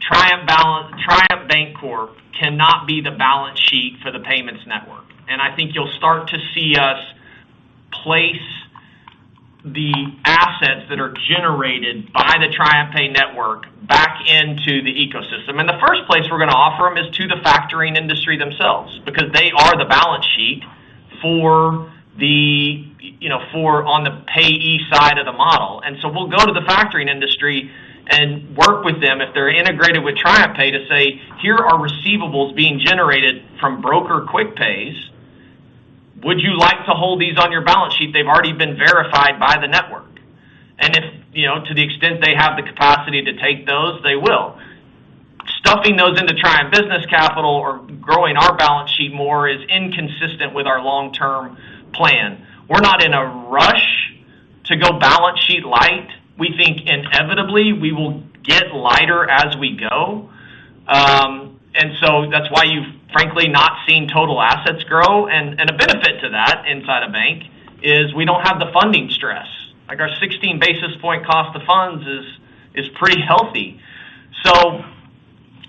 Triumph Bancorp cannot be the balance sheet for the payments network. I think you'll start to see us place the assets that are generated by the TriumphPay network back into the ecosystem. The first place we're gonna offer them is to the factoring industry themselves because they are the balance sheet for the, you know, for on the payee side of the model. We'll go to the factoring industry and work with them if they're integrated with TriumphPay to say, "Here are receivables being generated from broker quick pays. Would you like to hold these on your balance sheet? They've already been verified by the network." If, you know, to the extent they have the capacity to take those, they will. Stuffing those into Triumph Business Capital or growing our balance sheet more is inconsistent with our long-term plan. We're not in a rush to go balance sheet light. We think inevitably we will get lighter as we go. That's why you've frankly not seen total assets grow. A benefit to that inside a bank is we don't have the funding stress. Like, our 16 basis point cost of funds is pretty healthy.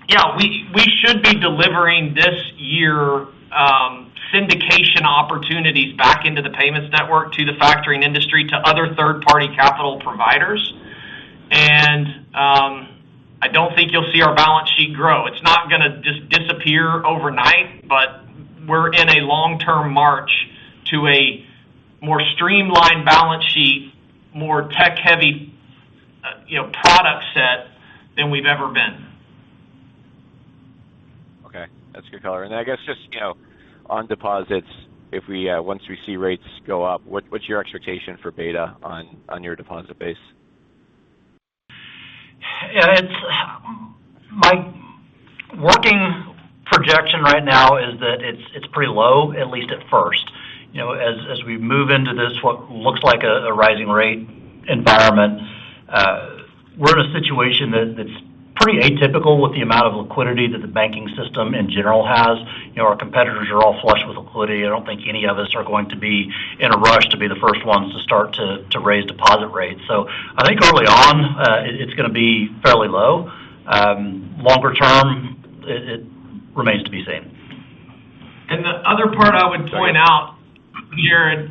Yeah, we should be delivering this year syndication opportunities back into the payments network to the factoring industry, to other third-party capital providers. I don't think you'll see our balance sheet grow. It's not gonna disappear overnight, but we're in a long-term march to a more streamlined balance sheet, more tech-heavy, you know, product set than we've ever been. Okay. That's a good color. I guess just, you know, on deposits, once we see rates go up, what's your expectation for beta on your deposit base? Yeah, my working projection right now is that it's pretty low, at least at first. You know, as we move into this, what looks like a rising rate environment, we're in a situation that it's pretty atypical with the amount of liquidity that the banking system in general has. You know, our competitors are all flush with liquidity. I don't think any of us are going to be in a rush to be the first ones to start to raise deposit rates. I think early on, it's gonna be fairly low. Longer term, it remains to be seen. The other part I would point out here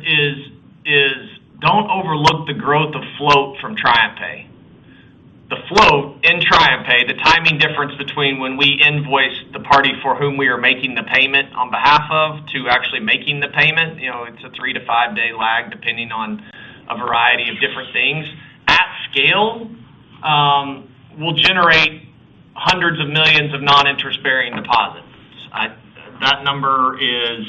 is don't overlook the growth of float from TriumphPay. The float in TriumphPay, the timing difference between when we invoice the party for whom we are making the payment on behalf of to actually making the payment, you know, it's a three to five-day lag depending on a variety of different things. At scale, we'll generate hundreds of millions of non-interest-bearing deposits. That number is,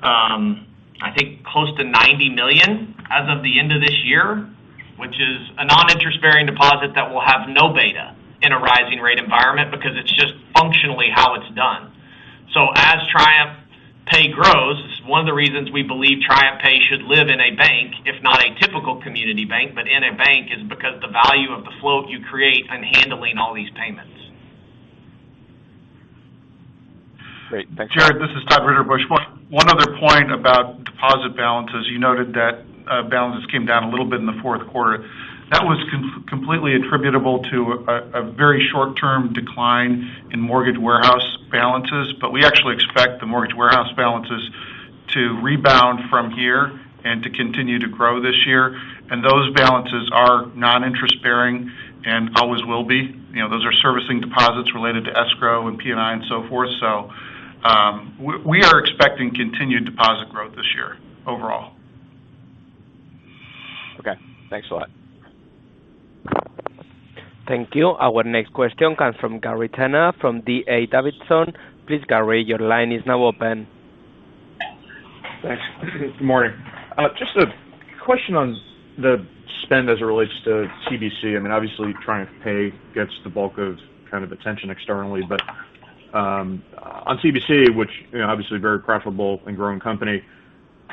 I think close to $90 million as of the end of this year, which is a non-interest-bearing deposit that will have no beta in a rising rate environment because it's just functionally how it's done. As TriumphPay grows, it's one of the reasons we believe TriumphPay should live in a bank, if not a typical community bank. In a bank is because the value of the float you create on handling all these payments. Great. Thanks. Jared, this is Todd Ritterbusch. One other point about deposit balances. You noted that balances came down a little bit in the fourth quarter. That was completely attributable to a very short term decline in mortgage warehouse balances. We actually expect the mortgage warehouse balances to rebound from here and to continue to grow this year. Those balances are non-interest bearing and always will be. You know, those are servicing deposits related to escrow and P&I and so forth. We are expecting continued deposit growth this year overall. Okay. Thanks a lot. Thank you. Our next question comes from Gary Tenner from D.A. Davidson. Please, Gary, your line is now open. Thanks. Good morning. Just a question on the spend as it relates to TBC. I mean, obviously, TriumphPay gets the bulk of kind of attention externally. But on TBC, which, you know, obviously a very profitable and growing company,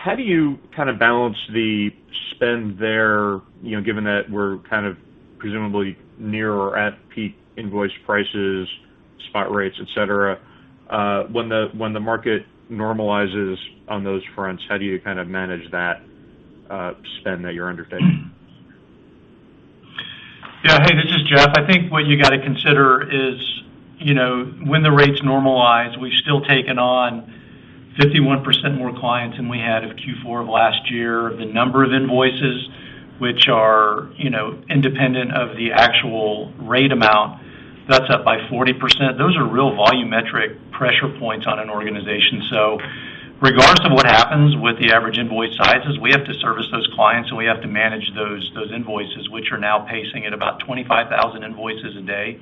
how do you kind of balance the spend there, you know, given that we're kind of presumably near or at peak invoice prices, spot rates, et cetera? When the market normalizes on those fronts, how do you kind of manage that spend that you're undertaking? Yeah. Hey, this is Geoff. I think what you got to consider is, you know, when the rates normalize, we've still taken on 51% more clients than we had of Q4 of last year. The number of invoices which are, you know, independent of the actual rate amount. That's up by 40%. Those are real volumetric pressure points on an organization. So regardless of what happens with the average invoice sizes, we have to service those clients, and we have to manage those invoices, which are now pacing at about 25,000 invoices a day.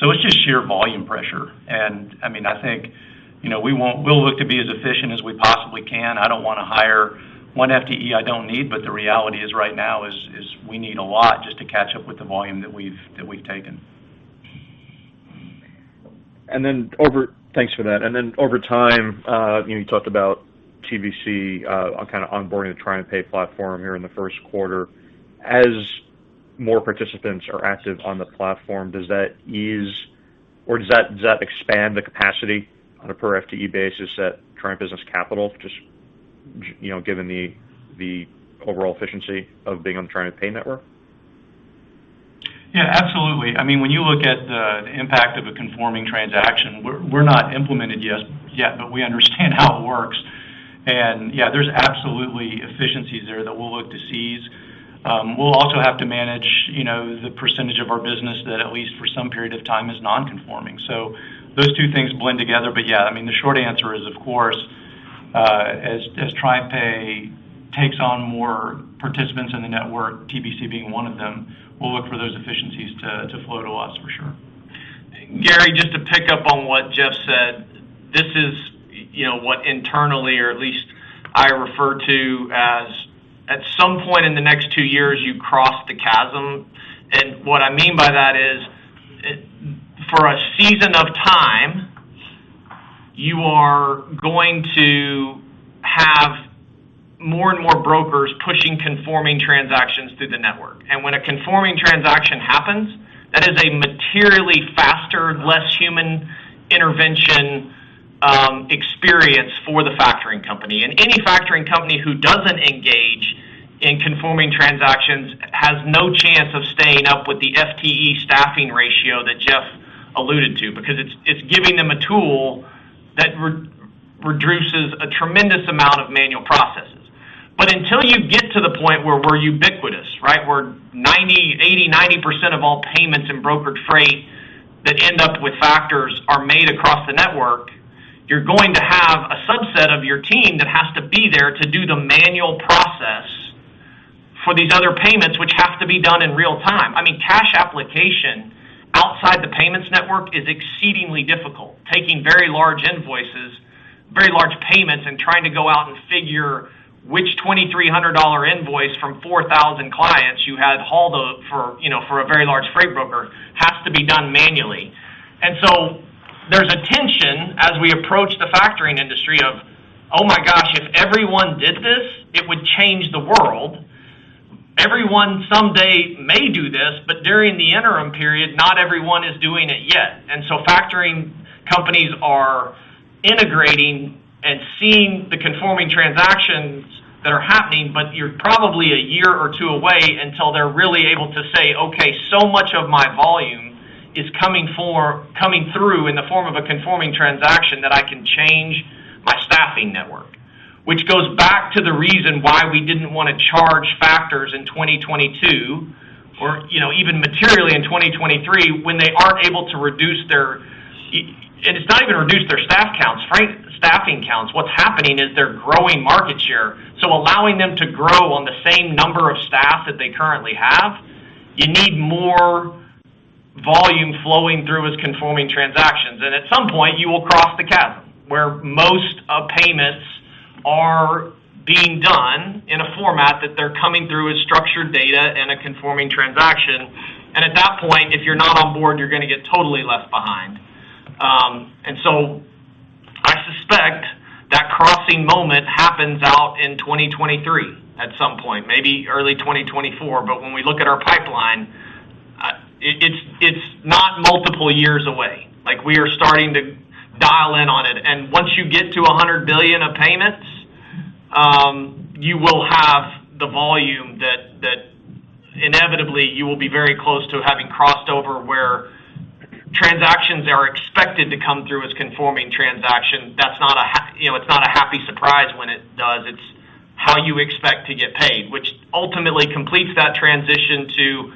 So it's just sheer volume pressure. I mean, I think, you know, we'll look to be as efficient as we possibly can. I don't wanna hire one FTE I don't need, but the reality is right now is we need a lot just to catch up with the volume that we've taken. Thanks for that. Over time, you know, you talked about TBC kind of onboarding the TriumphPay platform here in the first quarter. As more participants are active on the platform, does that ease or does that expand the capacity on a per FTE basis at Triumph Business Capital, just, you know, given the overall efficiency of being on TriumphPay network? Yeah, absolutely. I mean, when you look at the impact of a conforming transaction, we're not implemented yet, but we understand how it works. Yeah, there's absolutely efficiencies there that we'll look to seize. We'll also have to manage, you know, the percentage of our business that at least for some period of time is non-conforming. Those two things blend together. Yeah, I mean, the short answer is, of course, as TriumphPay takes on more participants in the network, TBC being one of them, we'll look for those efficiencies to flow to us for sure. Gary, just to pick up on what Geoff said, this is what internally or at least I refer to as at some point in the next two years, you cross the chasm. What I mean by that is for a season of time, you are going to have more and more brokers pushing conforming transactions through the network. When a conforming transaction happens, that is a materially faster, less human intervention experience for the factoring company. Any factoring company who doesn't engage in conforming transactions has no chance of staying up with the FTE staffing ratio that Geoff alluded to because it's giving them a tool that reduces a tremendous amount of manual processes. Until you get to the point where we're ubiquitous, right, where 80%-90% of all payments in brokered freight that end up with factors are made across the network, you're going to have a subset of your team that has to be there to do the manual process for these other payments, which have to be done in real time. I mean, cash application outside the payments network is exceedingly difficult. Taking very large invoices, very large payments, and trying to go out and figure which $2,300 invoice from 4,000 clients you had hauled up for, you know, for a very large freight broker has to be done manually. There's a tension as we approach the factoring industry of, oh my gosh, if everyone did this, it would change the world. Everyone someday may do this, but during the interim period, not everyone is doing it yet. Factoring companies are integrating and seeing the conforming transactions that are happening, but you're probably a year or two away until they're really able to say, okay, so much of my volume is coming through in the form of a conforming transaction that I can change my staffing network, which goes back to the reason why we didn't want to charge factors in 2022 or, you know, even materially in 2023 when they aren't able to reduce their staff counts. It's not even reduce their staff counts, right? Staffing counts. What's happening is they're growing market share. Allowing them to grow on the same number of staff that they currently have, you need more volume flowing through as conforming transactions. At some point you will cross the chasm where most of payments are being done in a format that they're coming through as structured data in a conforming transaction. At that point, if you're not on board, you're gonna get totally left behind. I suspect that crossing moment happens out in 2023 at some point, maybe early 2024. When we look at our pipeline, it's not multiple years away. Like we are starting to dial in on it. Once you get to $100 billion of payments, you will have the volume that inevitably you will be very close to having crossed over where transactions are expected to come through as conforming transaction. You know, it's not a happy surprise when it does. It's how you expect to get paid, which ultimately completes that transition to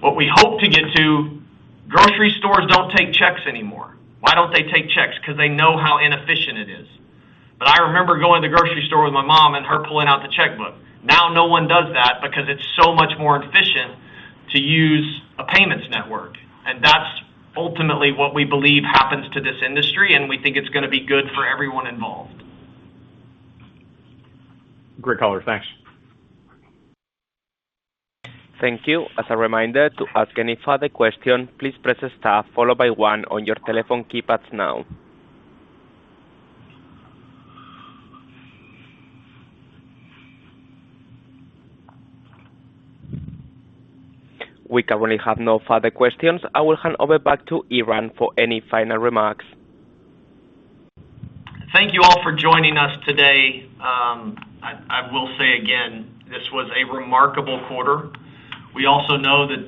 what we hope to get to. Grocery stores don't take checks anymore. Why don't they take checks? Because they know how inefficient it is. I remember going to the grocery store with my mom and her pulling out the checkbook. Now no one does that because it's so much more efficient to use a payments network. That's ultimately what we believe happens to this industry, and we think it's gonna be good for everyone involved. Great color. Thanks. Thank you. As a reminder to ask any further question, please press star followed by one on your telephone keypads now. We currently have no further questions. I will hand over back to Aaron for any final remarks. Thank you all for joining us today. I will say again, this was a remarkable quarter. We also know that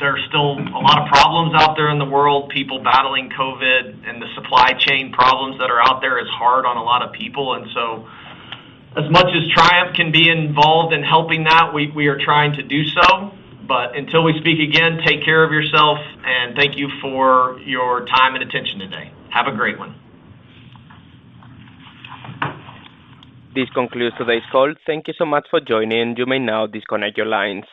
there are still a lot of problems out there in the world, people battling COVID and the supply chain problems that are out there is hard on a lot of people. As much as Triumph can be involved in helping that, we are trying to do so. Until we speak again, take care of yourself, and thank you for your time and attention today. Have a great one. This concludes today's call. Thank you so much for joining. You may now disconnect your lines.